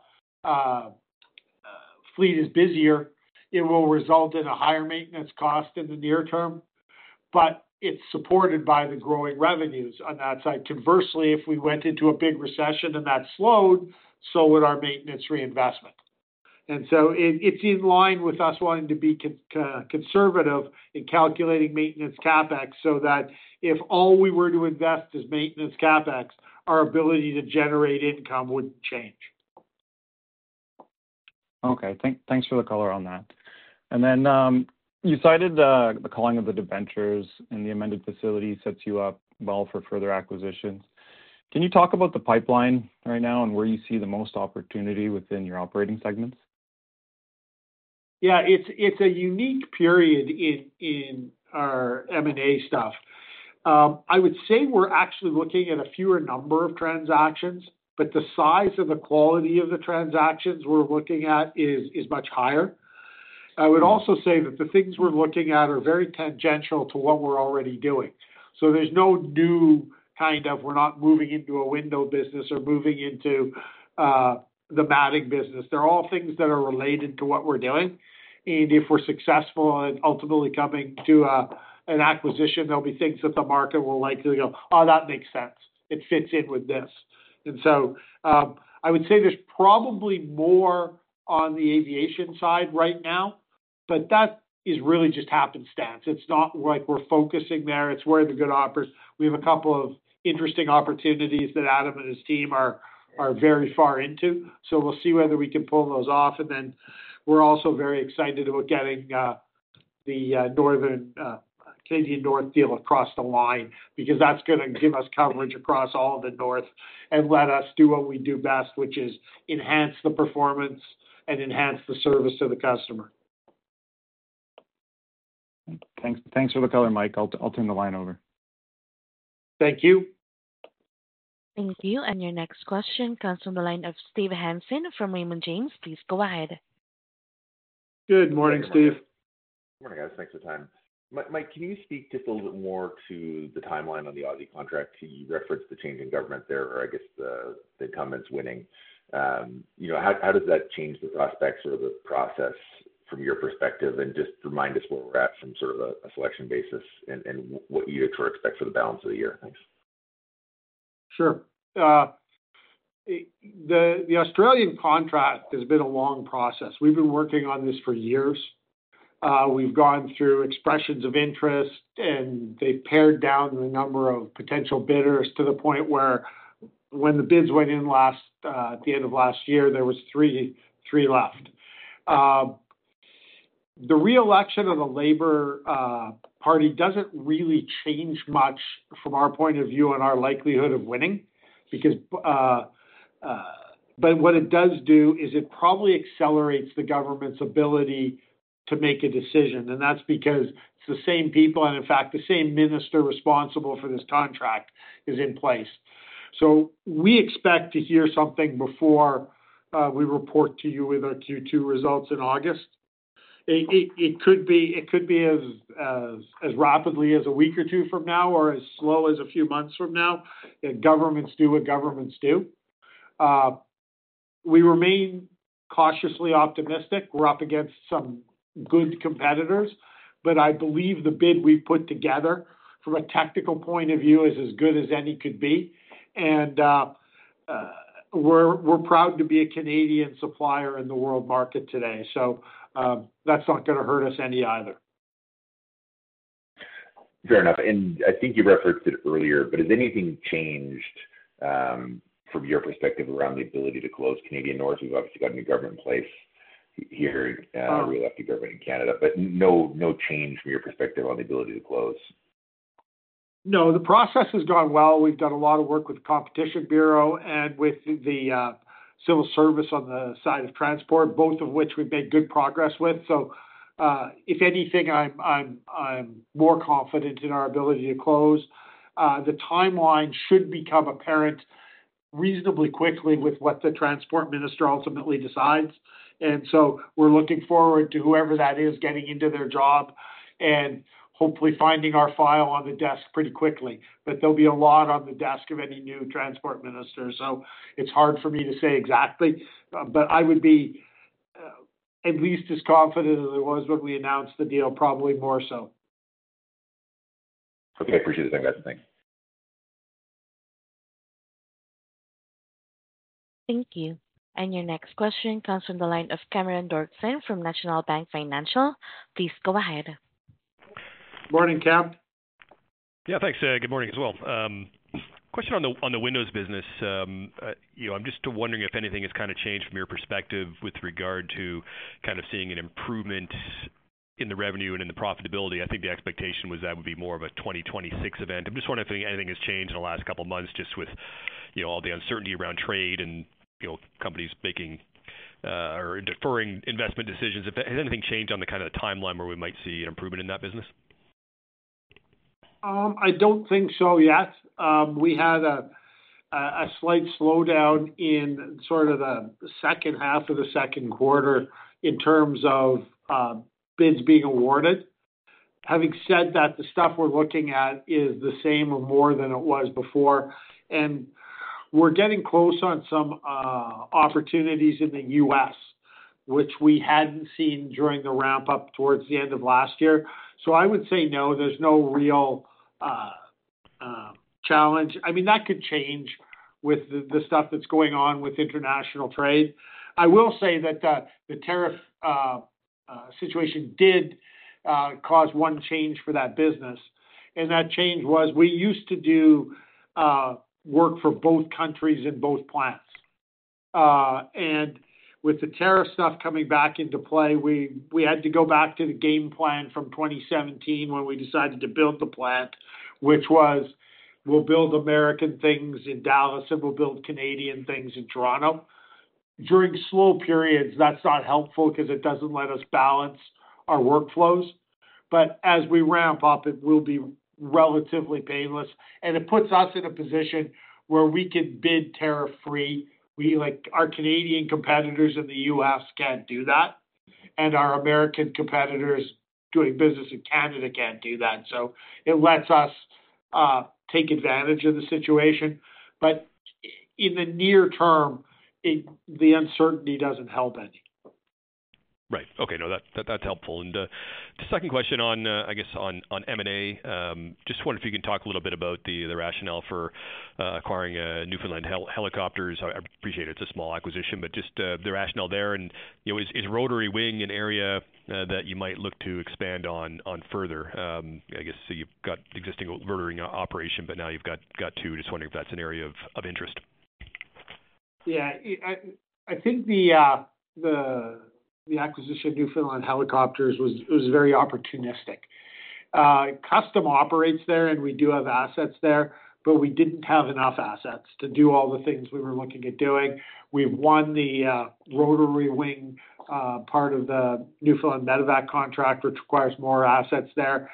fleet is busier, it will result in a higher maintenance cost in the near term, but it's supported by the growing revenues on that side. Conversely, if we went into a big recession and that slowed, so would our maintenance reinvestment. It is in line with us wanting to be conservative in calculating maintenance CapEx so that if all we were to invest is maintenance CapEx, our ability to generate income would not change. Okay. Thanks for the color on that. You cited the calling of the debentures and the amended facility sets you up well for further acquisitions. Can you talk about the pipeline right now and where you see the most opportunity within your operating segments? Yeah. It's a unique period in our M&A stuff. I would say we're actually looking at a fewer number of transactions, but the size and the quality of the transactions we're looking at is much higher. I would also say that the things we're looking at are very tangential to what we're already doing. There's no new kind of we're not moving into a window business or moving into the matting business. They're all things that are related to what we're doing. If we're successful in ultimately coming to an acquisition, there'll be things that the market will likely go, "Oh, that makes sense. It fits in with this." I would say there's probably more on the aviation side right now, but that is really just happenstance. It's not like we're focusing there. It's where the good operators. We have a couple of interesting opportunities that Adam and his team are very far into. We will see whether we can pull those off. We are also very excited about getting the Canadian North deal across the line because that is going to give us coverage across all of the north and let us do what we do best, which is enhance the performance and enhance the service to the customer. Thanks for the color, Mike. I'll turn the line over. Thank you. Thank you. Your next question comes from the line of Steve Hansen from Raymond James. Please go ahead. Good morning, Steve. Good morning, guys. Thanks for the time. Mike, can you speak just a little bit more to the timeline on the Aussie contract? You referenced the change in government there, or I guess the incumbent's winning. How does that change the prospects or the process from your perspective? And just remind us where we're at from sort of a selection basis and what you expect for the balance of the year. Thanks. Sure. The Australian contract has been a long process. We've been working on this for years. We've gone through expressions of interest, and they've pared down the number of potential bidders to the point where when the bids went in at the end of last year, there were three left. The reelection of the Labour Party doesn't really change much from our point of view on our likelihood of winning. What it does do is it probably accelerates the government's ability to make a decision. That's because it's the same people, and in fact, the same minister responsible for this contract is in place. We expect to hear something before we report to you with our Q2 results in August. It could be as rapidly as a week or two from now or as slow as a few months from now. Governments do what governments do. We remain cautiously optimistic. We're up against some good competitors, but I believe the bid we've put together from a tactical point of view is as good as any could be. We're proud to be a Canadian supplier in the world market today. That's not going to hurt us any either. Fair enough. I think you referenced it earlier, but has anything changed from your perspective around the ability to close Canadian North? We've obviously got a new government in place here, reelected government in Canada, but no change from your perspective on the ability to close? No. The process has gone well. We've done a lot of work with the Competition Bureau and with the civil service on the side of transport, both of which we've made good progress with. If anything, I'm more confident in our ability to close. The timeline should become apparent reasonably quickly with what the transport minister ultimately decides. We're looking forward to whoever that is getting into their job and hopefully finding our file on the desk pretty quickly. There'll be a lot on the desk of any new transport minister. It's hard for me to say exactly, but I would be at least as confident as I was when we announced the deal, probably more so. Okay. Appreciate it. Thanks. Thank you. Your next question comes from the line of Cameron Doerksen from National Bank Financial. Please go ahead. Morning, Cam. Yeah. Thanks. Good morning as well. Question on the Windows business. I'm just wondering if anything has kind of changed from your perspective with regard to kind of seeing an improvement in the revenue and in the profitability. I think the expectation was that would be more of a 2026 event. I'm just wondering if anything has changed in the last couple of months just with all the uncertainty around trade and companies making or deferring investment decisions. Has anything changed on the kind of timeline where we might see an improvement in that business? I do not think so yet. We had a slight slowdown in sort of the second half of the second quarter in terms of bids being awarded. Having said that, the stuff we are looking at is the same or more than it was before. We are getting close on some opportunities in the U.S., which we had not seen during the ramp-up towards the end of last year. I would say no, there is no real challenge. I mean, that could change with the stuff that is going on with international trade. I will say that the tariff situation did cause one change for that business. That change was we used to do work for both countries and both plants. With the tariff stuff coming back into play, we had to go back to the game plan from 2017 when we decided to build the plant, which was we'll build American things in Dallas and we'll build Canadian things in Toronto. During slow periods, that's not helpful because it doesn't let us balance our workflows. As we ramp up, it will be relatively painless. It puts us in a position where we can bid tariff-free. Our Canadian competitors in the U.S. can't do that. Our American competitors doing business in Canada can't do that. It lets us take advantage of the situation. In the near term, the uncertainty doesn't help any. Right. Okay. No, that's helpful. The second question on, I guess, on M&A, just wonder if you can talk a little bit about the rationale for acquiring Newfoundland Helicopters. I appreciate it. It's a small acquisition, but just the rationale there. Is rotary wing an area that you might look to expand on further? I guess you've got existing rotary operation, but now you've got two. Just wondering if that's an area of interest. Yeah. I think the acquisition of Newfoundland Helicopters was very opportunistic. Custom operates there, and we do have assets there, but we didn't have enough assets to do all the things we were looking at doing. We've won the rotary wing part of the Newfoundland Medevac contract, which requires more assets there.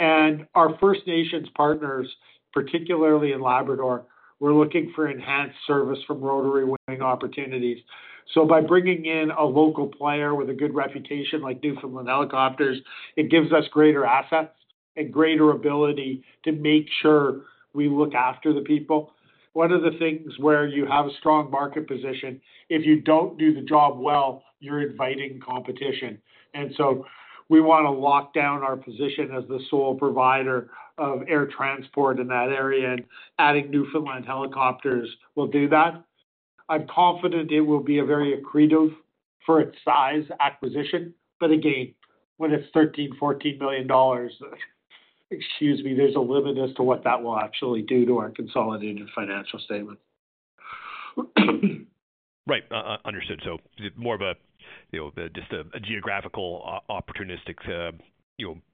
Our First Nations partners, particularly in Labrador, were looking for enhanced service from rotary wing opportunities. By bringing in a local player with a good reputation like Newfoundland Helicopters, it gives us greater assets and greater ability to make sure we look after the people. One of the things where you have a strong market position, if you don't do the job well, you're inviting competition. We want to lock down our position as the sole provider of air transport in that area. Adding Newfoundland Helicopters will do that. I'm confident it will be a very accretive for its size acquisition. Again, when it's $13 million-$14 million, excuse me, there's a limit as to what that will actually do to our consolidated financial statement. Right. Understood. So more of just a geographical opportunistic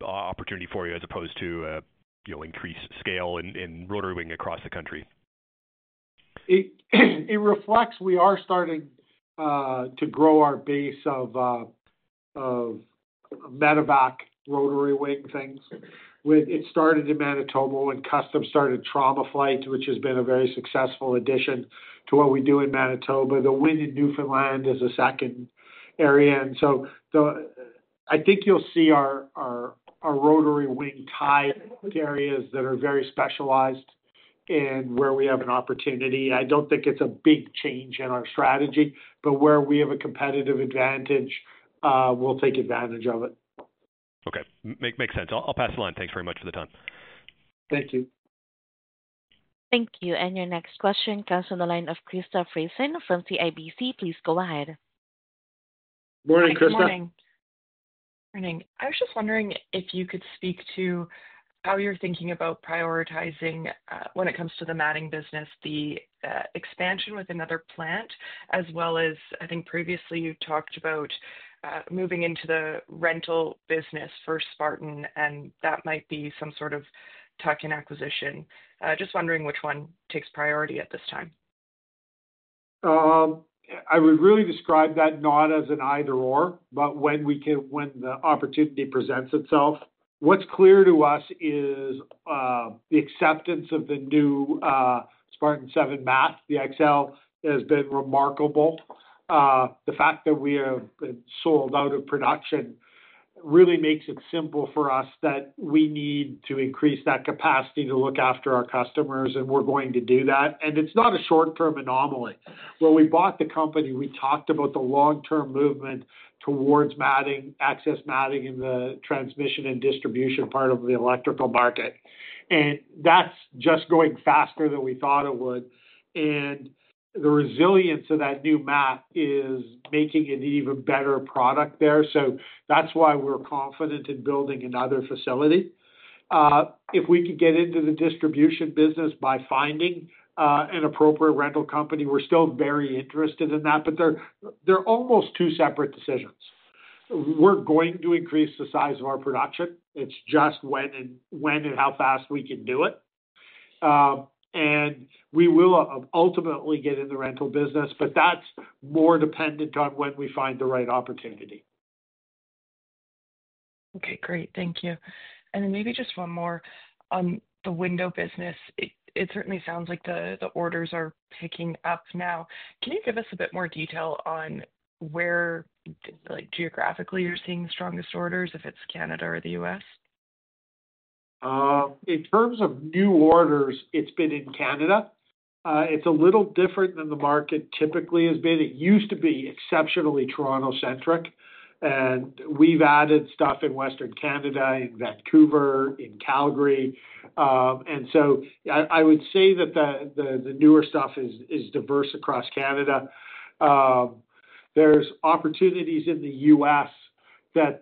opportunity for you as opposed to increased scale in rotary wing across the country. It reflects we are starting to grow our base of medevac rotary wing things. It started in Manitoba, and Custom started TraumaFlight, which has been a very successful addition to what we do in Manitoba. The one in Newfoundland is a second area. I think you'll see our rotary wing tied to areas that are very specialized and where we have an opportunity. I do not think it's a big change in our strategy, but where we have a competitive advantage, we'll take advantage of it. Okay. Makes sense. I'll pass the line. Thanks very much for the time. Thank you. Thank you. Your next question comes from the line of Krista Friesen from CIBC. Please go ahead. Morning, Krista. Morning. Morning. I was just wondering if you could speak to how you're thinking about prioritizing when it comes to the matting business, the expansion with another plant, as well as I think previously you talked about moving into the rental business for Spartan, and that might be some sort of token acquisition. Just wondering which one takes priority at this time. I would really describe that not as an either/or, but when the opportunity presents itself. What's clear to us is the acceptance of the new Spartan 7 XL mat has been remarkable. The fact that we have been sold out of production really makes it simple for us that we need to increase that capacity to look after our customers, and we're going to do that. It is not a short-term anomaly. When we bought the company, we talked about the long-term movement towards matting, access matting in the transmission and distribution part of the electrical market. That is just going faster than we thought it would. The resilience of that new mat is making an even better product there. That is why we're confident in building another facility. If we could get into the distribution business by finding an appropriate rental company, we're still very interested in that. They are almost two separate decisions. We're going to increase the size of our production. It's just when and how fast we can do it. We will ultimately get in the rental business, but that's more dependent on when we find the right opportunity. Okay. Great. Thank you. Maybe just one more on the window business. It certainly sounds like the orders are picking up now. Can you give us a bit more detail on where geographically you're seeing the strongest orders, if it's Canada or the U.S.? In terms of new orders, it's been in Canada. It's a little different than the market typically has been. It used to be exceptionally Toronto-centric. We've added stuff in Western Canada, in Vancouver, in Calgary. I would say that the newer stuff is diverse across Canada. There's opportunities in the U.S. that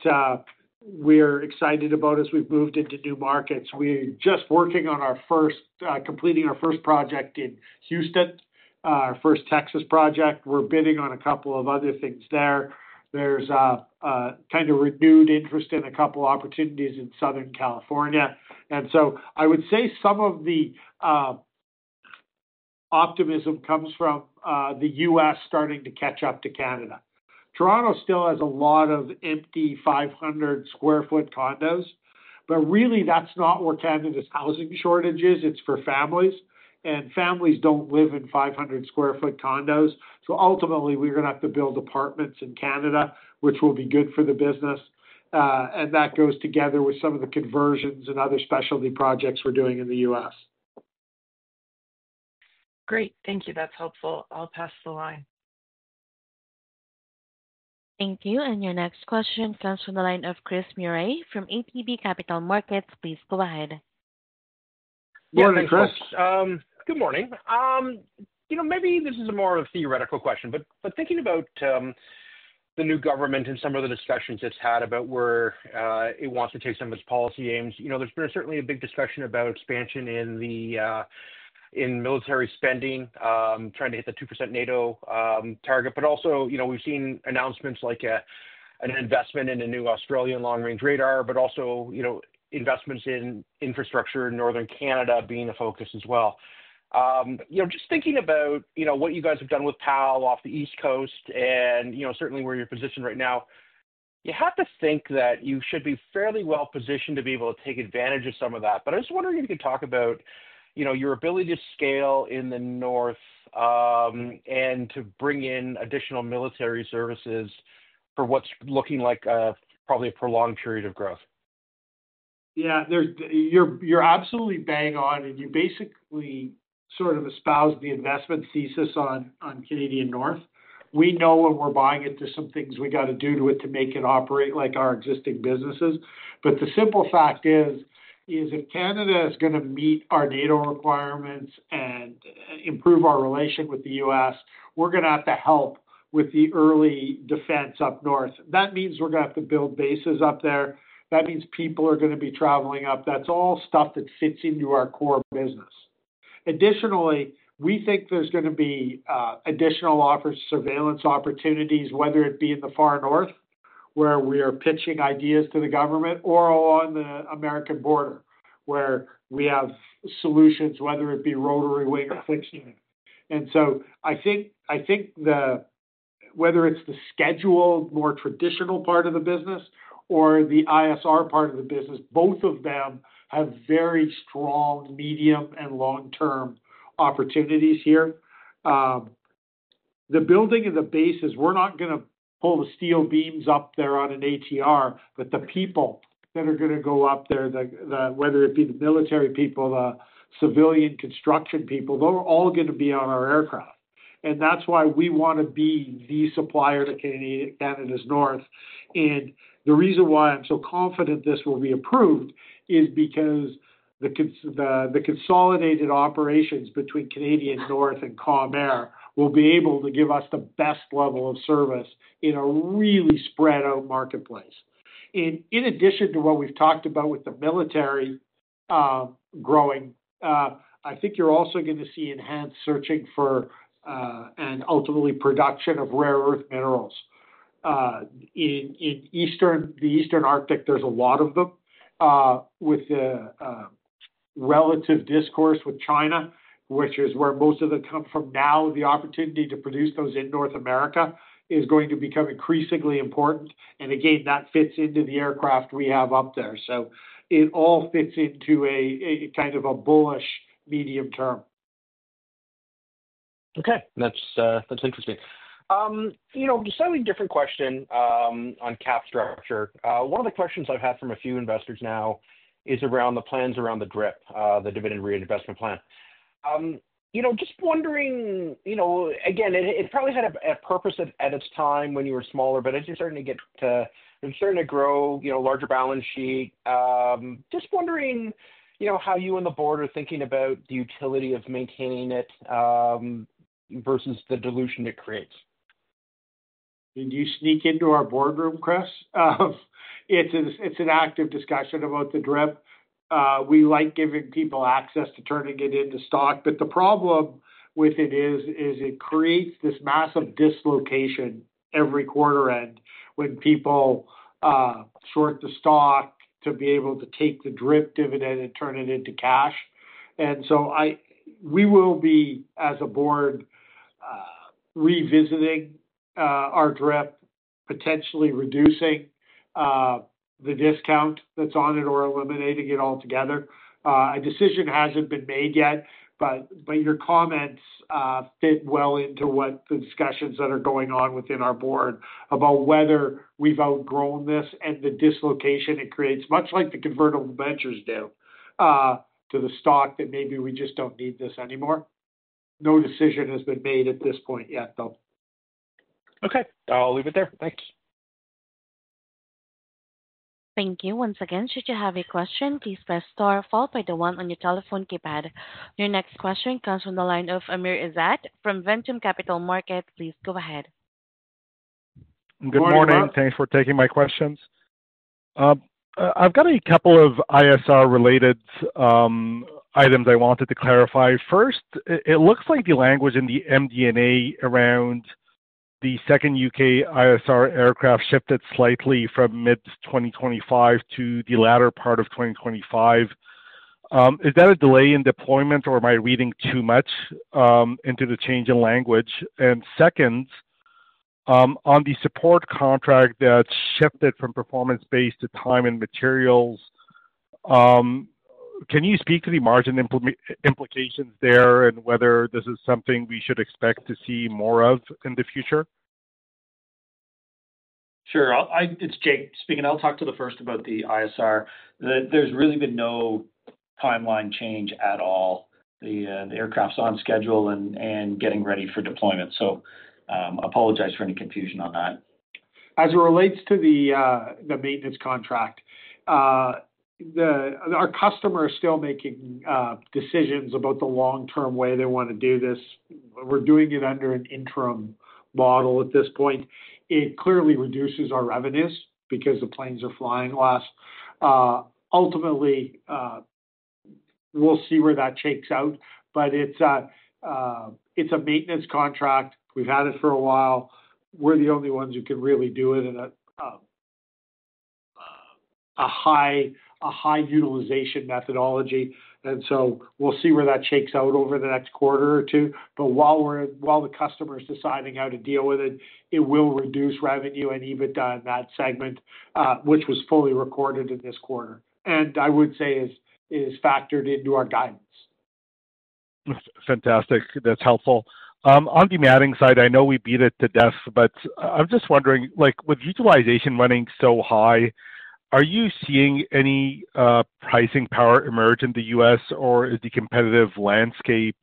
we're excited about as we've moved into new markets. We're just working on completing our first project in Houston, our first Texas project. We're bidding on a couple of other things there. There's kind of renewed interest in a couple of opportunities in Southern California. I would say some of the optimism comes from the U.S. starting to catch up to Canada. Toronto still has a lot of empty 500 sq ft condos, but really, that's not where Canada's housing shortage is. It's for families. Families don't live in 500 sq ft condos. Ultimately, we're going to have to build apartments in Canada, which will be good for the business. That goes together with some of the conversions and other specialty projects we're doing in the U.S. Great. Thank you. That's helpful. I'll pass the line. Thank you. Your next question comes from the line of Chris Maurer from ATB Capital Markets. Please go ahead. Morning, Chris. Good morning. Maybe this is more of a theoretical question, but thinking about the new government and some of the discussions it has had about where it wants to take some of its policy aims, there has been certainly a big discussion about expansion in military spending, trying to hit the 2% NATO target. Also, we have seen announcements like an investment in a new Australian long-range radar, but also investments in infrastructure in Northern Canada being a focus as well. Just thinking about what you guys have done with PAL off the East Coast and certainly where you are positioned right now, you have to think that you should be fairly well-positioned to be able to take advantage of some of that. I was wondering if you could talk about your ability to scale in the north and to bring in additional military services for what's looking like probably a prolonged period of growth. Yeah. You're absolutely bang on. You basically sort of espoused the investment thesis on Canadian North. We know when we're buying it, there's some things we got to do to it to make it operate like our existing businesses. The simple fact is, if Canada is going to meet our NATO requirements and improve our relation with the U.S., we're going to have to help with the early defense up north. That means we're going to have to build bases up there. That means people are going to be traveling up. That's all stuff that fits into our core business. Additionally, we think there's going to be additional surveillance opportunities, whether it be in the far north where we are pitching ideas to the government or along the American border where we have solutions, whether it be rotary wing or fixed wing. I think whether it's the scheduled more traditional part of the business or the ISR part of the business, both of them have very strong medium and long-term opportunities here. The building of the bases, we're not going to pull the steel beams up there on an ATR, but the people that are going to go up there, whether it be the military people, the civilian construction people, they're all going to be on our aircraft. That is why we want to be the supplier to Canada's north. The reason why I'm so confident this will be approved is because the consolidated operations between Canadian North and Calm Air will be able to give us the best level of service in a really spread-out marketplace. In addition to what we've talked about with the military growing, I think you're also going to see enhanced searching for and ultimately production of rare earth minerals. In the Eastern Arctic, there's a lot of them. With the relative discourse with China, which is where most of them come from now, the opportunity to produce those in North America is going to become increasingly important. Again, that fits into the aircraft we have up there. It all fits into a kind of a bullish medium term. Okay. That's interesting. Slightly different question on cap structure. One of the questions I've had from a few investors now is around the plans around the DRIP, the Dividend Reinvestment Plan. Just wondering, again, it probably had a purpose at its time when you were smaller, but it's starting to get, it's starting to grow, larger balance sheet. Just wondering how you and the board are thinking about the utility of maintaining it versus the dilution it creates. Did you sneak into our boardroom, Chris? It's an active discussion about the DRIP. We like giving people access to turn it into stock. The problem with it is it creates this massive dislocation every quarter end when people short the stock to be able to take the DRIP dividend and turn it into cash. We will be, as a board, revisiting our DRIP, potentially reducing the discount that's on it or eliminating it altogether. A decision hasn't been made yet, but your comments fit well into what the discussions that are going on within our board about whether we've outgrown this and the dislocation it creates, much like the convertible ventures do, to the stock that maybe we just don't need this anymore. No decision has been made at this point yet, though. Okay. I'll leave it there. Thanks. Thank you. Once again, should you have a question, please press star followed by the one on your telephone keypad. Your next question comes from the line of Amr Ezzat from Ventum Capital Markets. Please go ahead. Good morning. Thanks for taking my questions. I've got a couple of ISR-related items I wanted to clarify. First, it looks like the language in the MD&A around the second U.K. ISR aircraft shifted slightly from mid-2025 to the latter part of 2025. Is that a delay in deployment, or am I reading too much into the change in language? Second, on the support contract that shifted from performance-based to time and materials, can you speak to the margin implications there and whether this is something we should expect to see more of in the future? Sure. It's Jake speaking. I'll talk to the first about the ISR. There's really been no timeline change at all. The aircraft's on schedule and getting ready for deployment. I apologize for any confusion on that. As it relates to the maintenance contract, our customer is still making decisions about the long-term way they want to do this. We're doing it under an interim model at this point. It clearly reduces our revenues because the planes are flying less. Ultimately, we'll see where that shakes out. It is a maintenance contract. We've had it for a while. We're the only ones who can really do it in a high-utilization methodology. We'll see where that shakes out over the next quarter or two. While the customer is deciding how to deal with it, it will reduce revenue and EBITDA in that segment, which was fully recorded in this quarter. I would say it is factored into our guidance. Fantastic. That's helpful. On the matting side, I know we beat it to death, but I'm just wondering, with utilization running so high, are you seeing any pricing power emerge in the U.S., or is the competitive landscape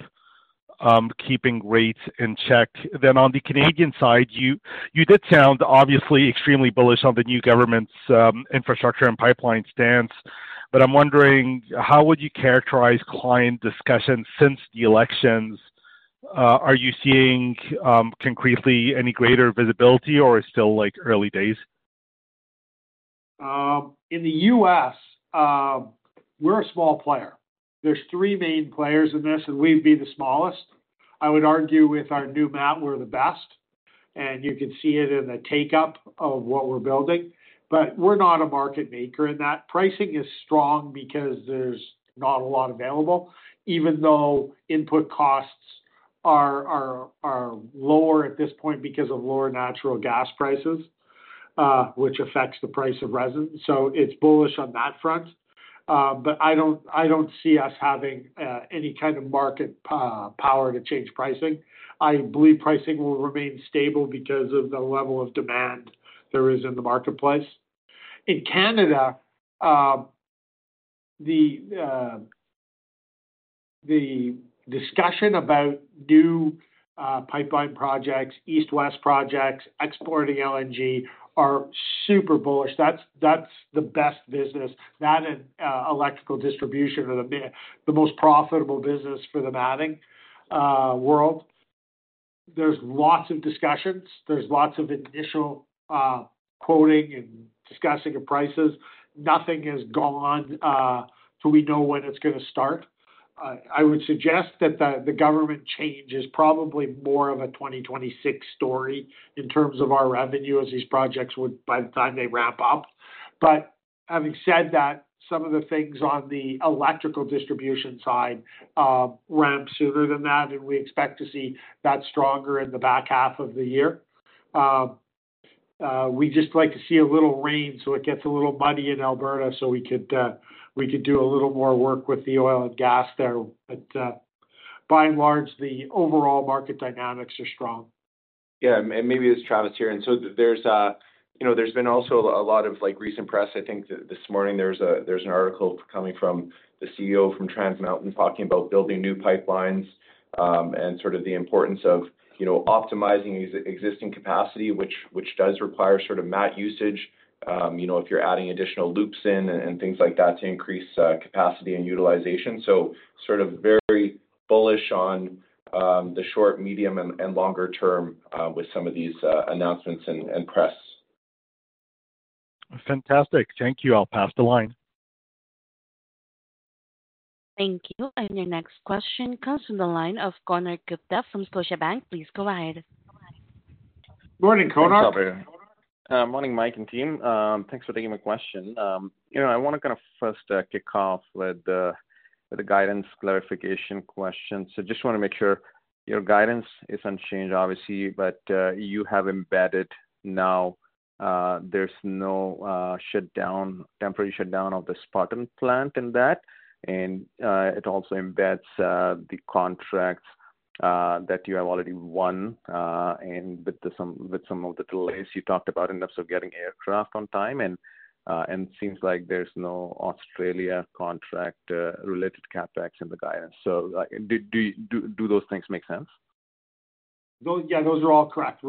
keeping rates in check? On the Canadian side, you did sound obviously extremely bullish on the new government's infrastructure and pipeline stance, but I'm wondering, how would you characterize client discussions since the elections? Are you seeing concretely any greater visibility, or is it still early days? In the U.S., we're a small player. There's three main players in this, and we'd be the smallest. I would argue with our new mat, we're the best. You can see it in the take-up of what we're building. We're not a market maker in that. Pricing is strong because there's not a lot available, even though input costs are lower at this point because of lower natural gas prices, which affects the price of resin. It's bullish on that front. I don't see us having any kind of market power to change pricing. I believe pricing will remain stable because of the level of demand there is in the marketplace. In Canada, the discussion about new pipeline projects, east-west projects, exporting LNG are super bullish. That's the best business. That and electrical distribution are the most profitable business for the matting world. There's lots of discussions. There's lots of initial quoting and discussing of prices. Nothing has gone on to we know when it's going to start. I would suggest that the government change is probably more of a 2026 story in terms of our revenue as these projects would by the time they ramp up. Having said that, some of the things on the electrical distribution side ramp sooner than that, and we expect to see that stronger in the back half of the year. We just like to see a little rain so it gets a little muddy in Alberta so we could do a little more work with the oil and gas there. By and large, the overall market dynamics are strong. Yeah. Maybe it's Travis here. There's been also a lot of recent press. I think this morning, there's an article coming from the CEO from Trans Mountain talking about building new pipelines and the importance of optimizing existing capacity, which does require mat usage if you're adding additional loops in and things like that to increase capacity and utilization. Very bullish on the short, medium, and longer term with some of these announcements and press. Fantastic. Thank you. I'll pass the line. Thank you. Your next question comes from the line of Conor Cortese from Scotiabank. Please go ahead. Good morning, Conor. What's up, Aaron? Morning, Mike and team. Thanks for taking my question. I want to kind of first kick off with the guidance clarification question. Just want to make sure your guidance is unchanged, obviously, but you have embedded now there's no temporary shutdown of the Spartan plant in that. It also embeds the contracts that you have already won with some of the delays you talked about in terms of getting aircraft on time. It seems like there's no Australia contract-related CapEx in the guidance. Do those things make sense? Yeah, those are all correct.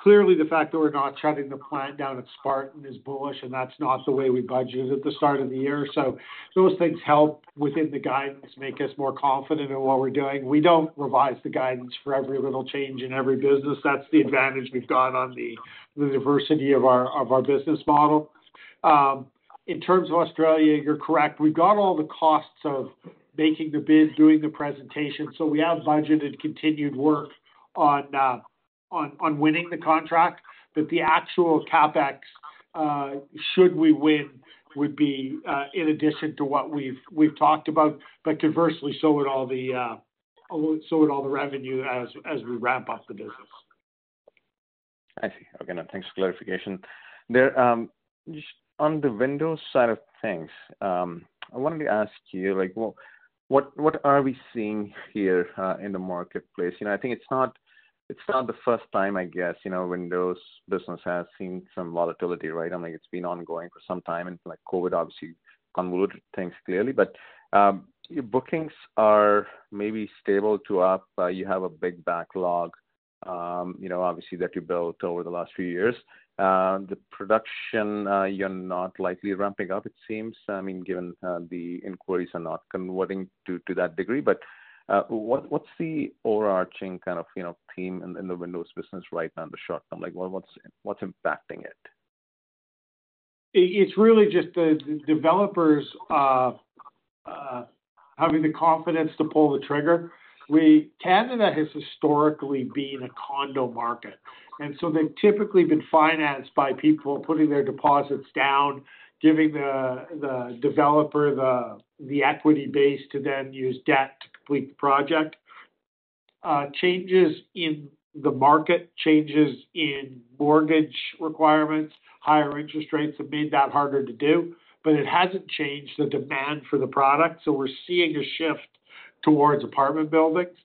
Clearly, the fact that we're not shutting the plant down at Spartan is bullish, and that's not the way we budgeted at the start of the year. Those things help within the guidance, make us more confident in what we're doing. We don't revise the guidance for every little change in every business. That's the advantage we've got on the diversity of our business model. In terms of Australia, you're correct. We've got all the costs of making the bid, doing the presentation. We have budgeted continued work on winning the contract. The actual CapEx, should we win, would be in addition to what we've talked about. Conversely, so would all the revenue as we ramp up the business. I see. Okay. Thanks for clarification. Just on the Windows side of things, I wanted to ask you, what are we seeing here in the marketplace? I think it's not the first time, I guess, Windows business has seen some volatility, right? I mean, it's been ongoing for some time. COVID obviously convoluted things clearly. Your bookings are maybe stable to up. You have a big backlog, obviously, that you built over the last few years. The production, you're not likely ramping up, it seems, I mean, given the inquiries are not converting to that degree. What's the overarching kind of theme in the Windows business right now in the short term? What's impacting it? It's really just the developers having the confidence to pull the trigger. Canada has historically been a condo market. And so they've typically been financed by people putting their deposits down, giving the developer the equity base to then use debt to complete the project. Changes in the market, changes in mortgage requirements, higher interest rates have made that harder to do. It hasn't changed the demand for the product. We're seeing a shift towards apartment buildings.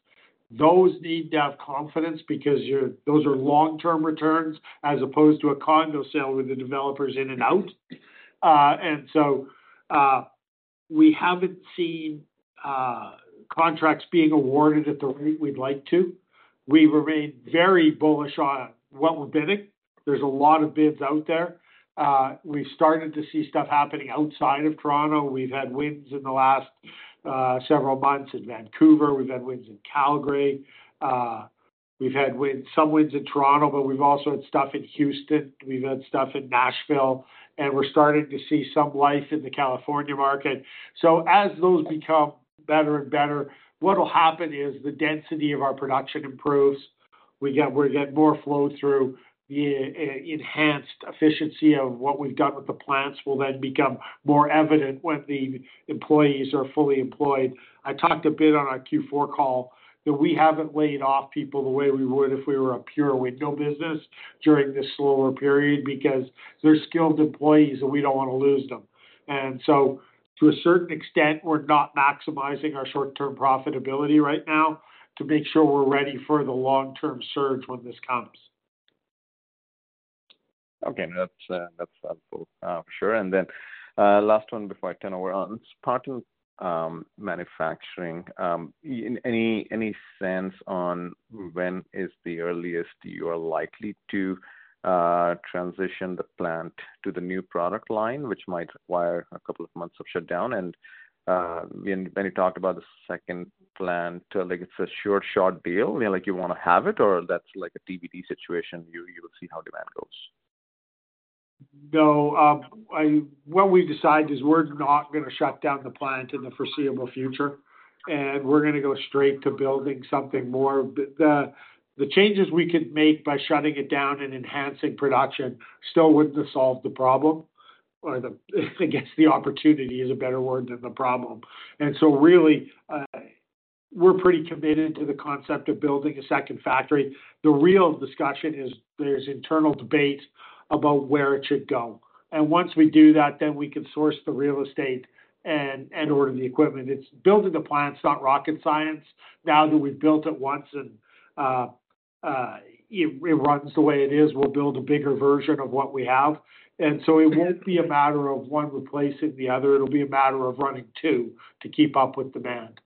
Those need to have confidence because those are long-term returns as opposed to a condo sale with the developers in and out. We haven't seen contracts being awarded at the rate we'd like to. We remain very bullish on what we're bidding. There's a lot of bids out there. We've started to see stuff happening outside of Toronto. We've had wins in the last several months in Vancouver. We've had wins in Calgary. We've had some wins in Toronto, but we've also had stuff in Houston. We've had stuff in Nashville. We're starting to see some life in the California market. As those become better and better, what'll happen is the density of our production improves. We're going to get more flow-through. The enhanced efficiency of what we've done with the plants will then become more evident when the employees are fully employed. I talked a bit on our Q4 call that we haven't laid off people the way we would if we were a pure window business during this slower period because they're skilled employees and we don't want to lose them. To a certain extent, we're not maximizing our short-term profitability right now to make sure we're ready for the long-term surge when this comes. Okay. That's helpful for sure. Last one before I turn over on Spartan manufacturing. Any sense on when is the earliest you are likely to transition the plant to the new product line, which might require a couple of months of shutdown? When you talked about the second plant, it's a short, short deal. You want to have it, or that's a TBD situation? You will see how demand goes. No. What we've decided is we're not going to shut down the plant in the foreseeable future. We're going to go straight to building something more. The changes we could make by shutting it down and enhancing production still wouldn't have solved the problem. I guess the opportunity is a better word than the problem. We're pretty committed to the concept of building a second factory. The real discussion is there's internal debate about where it should go. Once we do that, we can source the real estate and order the equipment. It's building the plant. It's not rocket science. Now that we've built it once and it runs the way it is, we'll build a bigger version of what we have. It won't be a matter of one replacing the other. It'll be a matter of running two to keep up with demand.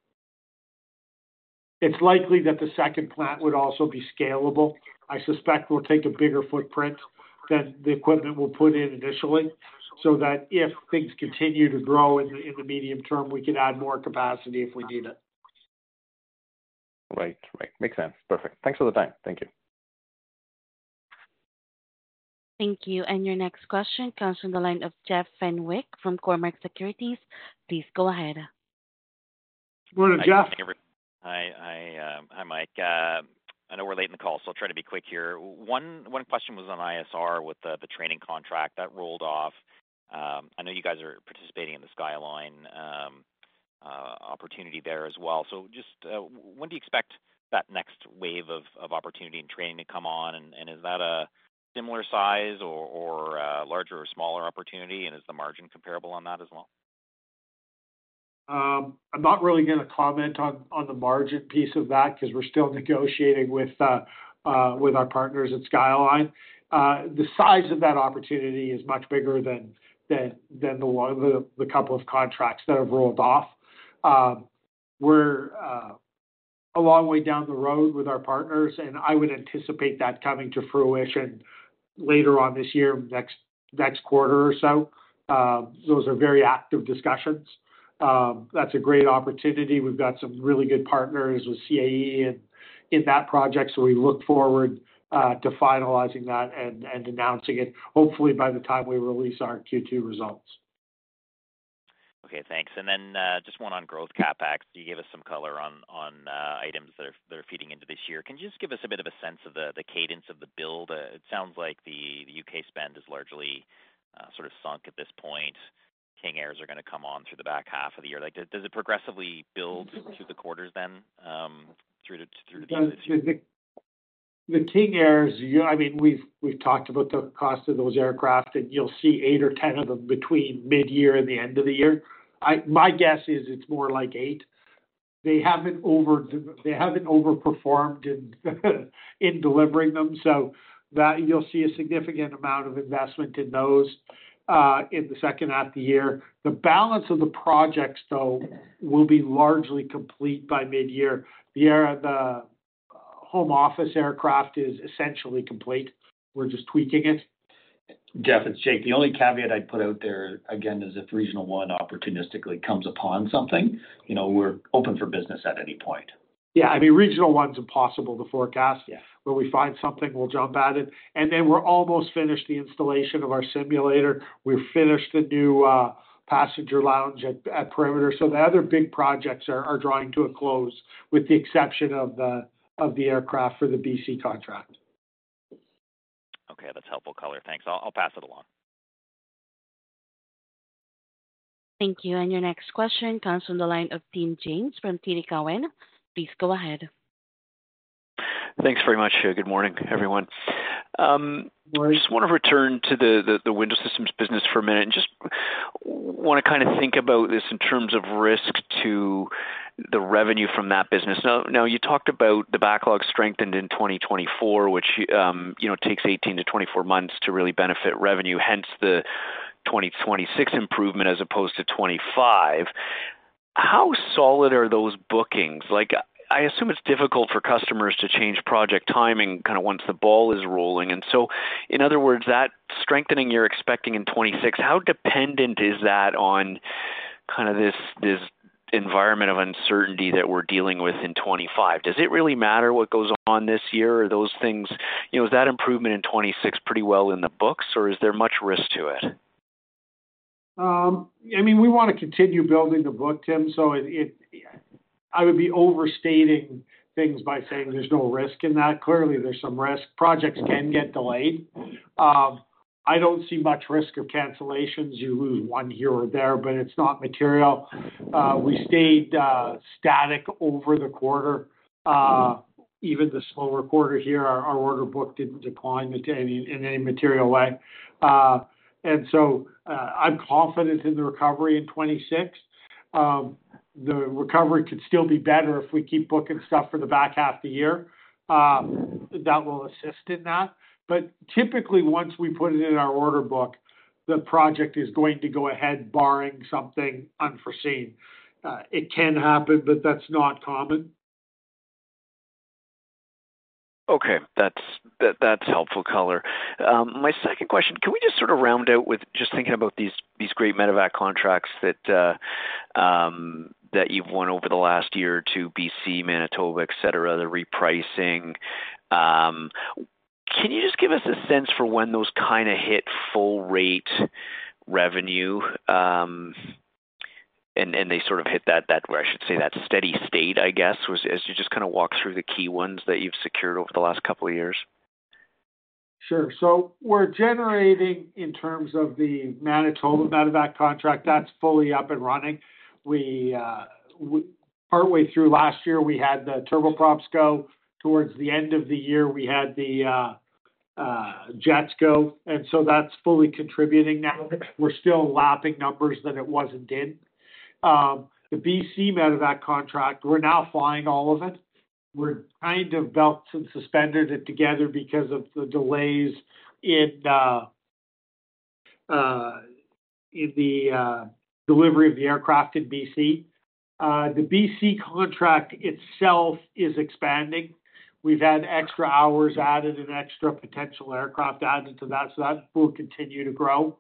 It's likely that the second plant would also be scalable. I suspect we'll take a bigger footprint than the equipment we'll put in initially so that if things continue to grow in the medium term, we could add more capacity if we need it. Right. Right. Makes sense. Perfect. Thanks for the time. Thank you. Thank you. Your next question comes from the line of Jeff Fenwick from Cormark Securities. Please go ahead. Good morning, Jeff. Hi, Mike. I know we're late in the call, so I'll try to be quick here. One question was on ISR with the training contract. That rolled off. I know you guys are participating in the Skyline opportunity there as well. Just when do you expect that next wave of opportunity and training to come on? Is that a similar size or larger or smaller opportunity? Is the margin comparable on that as well? I'm not really going to comment on the margin piece of that because we're still negotiating with our partners at Skyline. The size of that opportunity is much bigger than the couple of contracts that have rolled off. We're a long way down the road with our partners, and I would anticipate that coming to fruition later on this year, next quarter or so. Those are very active discussions. That's a great opportunity. We've got some really good partners with CAE in that project, so we look forward to finalizing that and announcing it, hopefully by the time we release our Q2 results. Okay. Thanks. Then just one on growth CapEx. You gave us some color on items that are feeding into this year. Can you just give us a bit of a sense of the cadence of the build? It sounds like the U.K. spend is largely sort of sunk at this point. King Airs are going to come on through the back half of the year. Does it progressively build through the quarters then through the? The King Airs, I mean, we've talked about the cost of those aircraft, and you'll see eight or 10 of them between mid-year and the end of the year. My guess is it's more like eight. They haven't overperformed in delivering them. You'll see a significant amount of investment in those in the second half of the year. The balance of the projects, though, will be largely complete by mid-year. The home office aircraft is essentially complete. We're just tweaking it. Jeff. Is Jake, the only caveat I'd put out there, again, is if Regional One opportunistically comes upon something, we're open for business at any point. Yeah. I mean, Regional One's impossible to forecast. When we find something, we'll jump at it. And then we're almost finished the installation of our simulator. We've finished the new passenger lounge at Perimeter. The other big projects are drawing to a close with the exception of the aircraft for the BC contract. Okay. That's helpful color. Thanks. I'll pass it along. Thank you. Your next question comes from the line of Tim James from TD Cowen. Please go ahead. Thanks very much. Good morning, everyone. I just want to return to the window systems business for a minute and just want to kind of think about this in terms of risk to the revenue from that business. Now, you talked about the backlog strengthened in 2024, which takes 18-24 months to really benefit revenue, hence the 2026 improvement as opposed to 2025. How solid are those bookings? I assume it's difficult for customers to change project timing kind of once the ball is rolling. In other words, that strengthening you're expecting in 2026, how dependent is that on kind of this environment of uncertainty that we're dealing with in 2025? Does it really matter what goes on this year? Are those things—is that improvement in 2026 pretty well in the books, or is there much risk to it? I mean, we want to continue building the book, Tim. I would be overstating things by saying there's no risk in that. Clearly, there's some risk. Projects can get delayed. I don't see much risk of cancellations. You lose one here or there, but it's not material. We stayed static over the quarter. Even the slower quarter here, our order book didn't decline in any material way. I am confident in the recovery in 2026. The recovery could still be better if we keep booking stuff for the back half of the year. That will assist in that. Typically, once we put it in our order book, the project is going to go ahead barring something unforeseen. It can happen, but that's not common. Okay. That's helpful color. My second question, can we just sort of round out with just thinking about these great medevac contracts that you've won over the last year to BC, Manitoba, etc., the repricing? Can you just give us a sense for when those kind of hit full-rate revenue and they sort of hit that, I should say, that steady state, I guess, as you just kind of walk through the key ones that you've secured over the last couple of years? Sure. We're generating, in terms of the Manitoba medevac contract, that's fully up and running. Partway through last year, we had the turboprops go. Towards the end of the year, we had the jets go. That's fully contributing now. We're still lapping numbers that it wasn't in. The BC medevac contract, we're now flying all of it. We're kind of belt and suspended it together because of the delays in the delivery of the aircraft in BC. The BC contract itself is expanding. We've had extra hours added and extra potential aircraft added to that. That will continue to grow.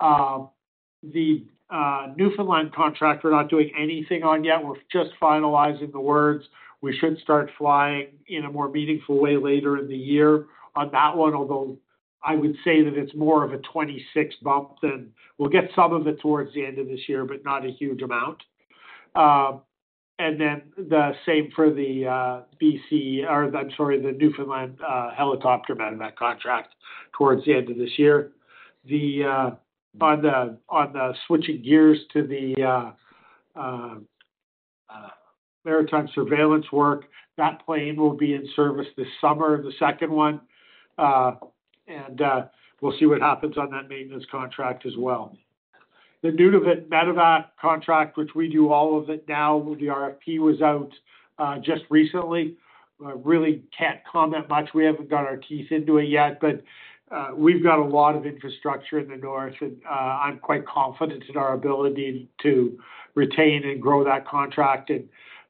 The Newfoundland contract, we're not doing anything on yet. We're just finalizing the words. We should start flying in a more meaningful way later in the year on that one, although I would say that it's more of a 2026 bump than we'll get some of it towards the end of this year, but not a huge amount. The same for the British Columbia—I'm sorry, the Newfoundland helicopter medevac contract towards the end of this year. Switching gears to the maritime surveillance work, that plane will be in service this summer, the second one. We will see what happens on that maintenance contract as well. The Nunavut medevac contract, which we do all of it now, the RFP was out just recently. I really can't comment much. We haven't got our teeth into it yet, but we've got a lot of infrastructure in the north. I'm quite confident in our ability to retain and grow that contract.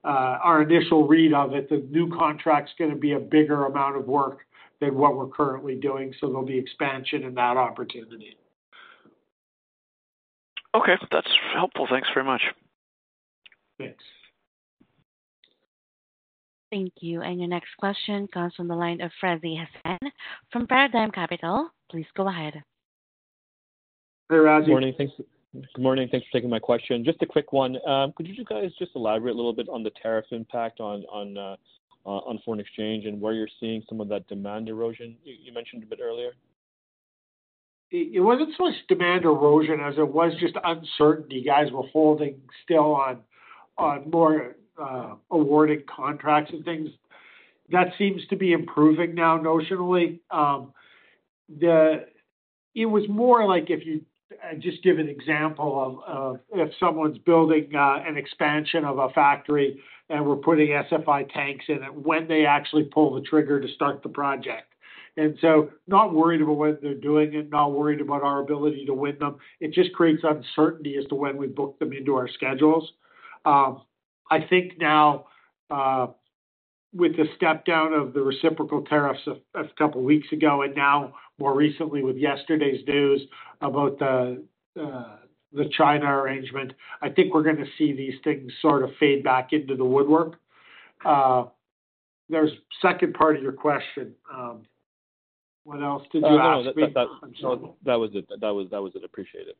Our initial read of it, the new contract's going to be a bigger amount of work than what we're currently doing. There'll be expansion in that opportunity. Okay. That's helpful. Thanks very much. Thanks. Thank you. Your next question comes from the line of Razi Hasan from Paradigm Capital. Please go ahead. Hi, Razi. Good morning. Thanks for taking my question. Just a quick one. Could you guys just elaborate a little bit on the tariff impact on foreign exchange and where you're seeing some of that demand erosion? You mentioned a bit earlier. It wasn't so much demand erosion as it was just uncertainty. You guys were holding still on more awarded contracts and things. That seems to be improving now notionally. It was more like if you just give an example of if someone's building an expansion of a factory and we're putting SFI tanks in it when they actually pull the trigger to start the project. Not worried about whether they're doing it, not worried about our ability to win them. It just creates uncertainty as to when we book them into our schedules. I think now with the step down of the reciprocal tariffs a couple of weeks ago and now more recently with yesterday's news about the China arrangement, I think we're going to see these things sort of fade back into the woodwork. There's a second part of your question. What else did you ask me? That was it. Appreciate it.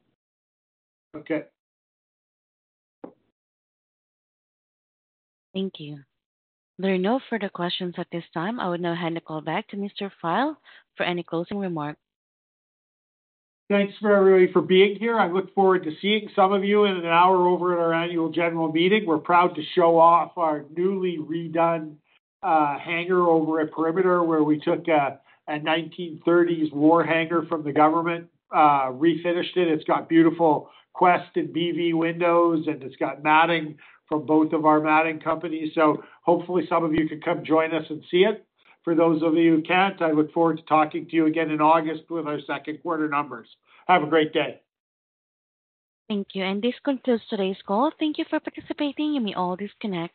Okay. Thank you. There are no further questions at this time. I would now hand the call back to Mr. Pyle for any closing remarks. Thanks for everybody for being here. I look forward to seeing some of you in an hour over at our annual general meeting. We're proud to show off our newly redone hangar over at Perimeter where we took a 1930s war hangar from the government, refinished it. It's got beautiful Quest and BV windows, and it's got matting from both of our matting companies. Hopefully some of you can come join us and see it. For those of you who can't, I look forward to talking to you again in August with our second quarter numbers. Have a great day. Thank you. This concludes today's call. Thank you for participating. You may all disconnect.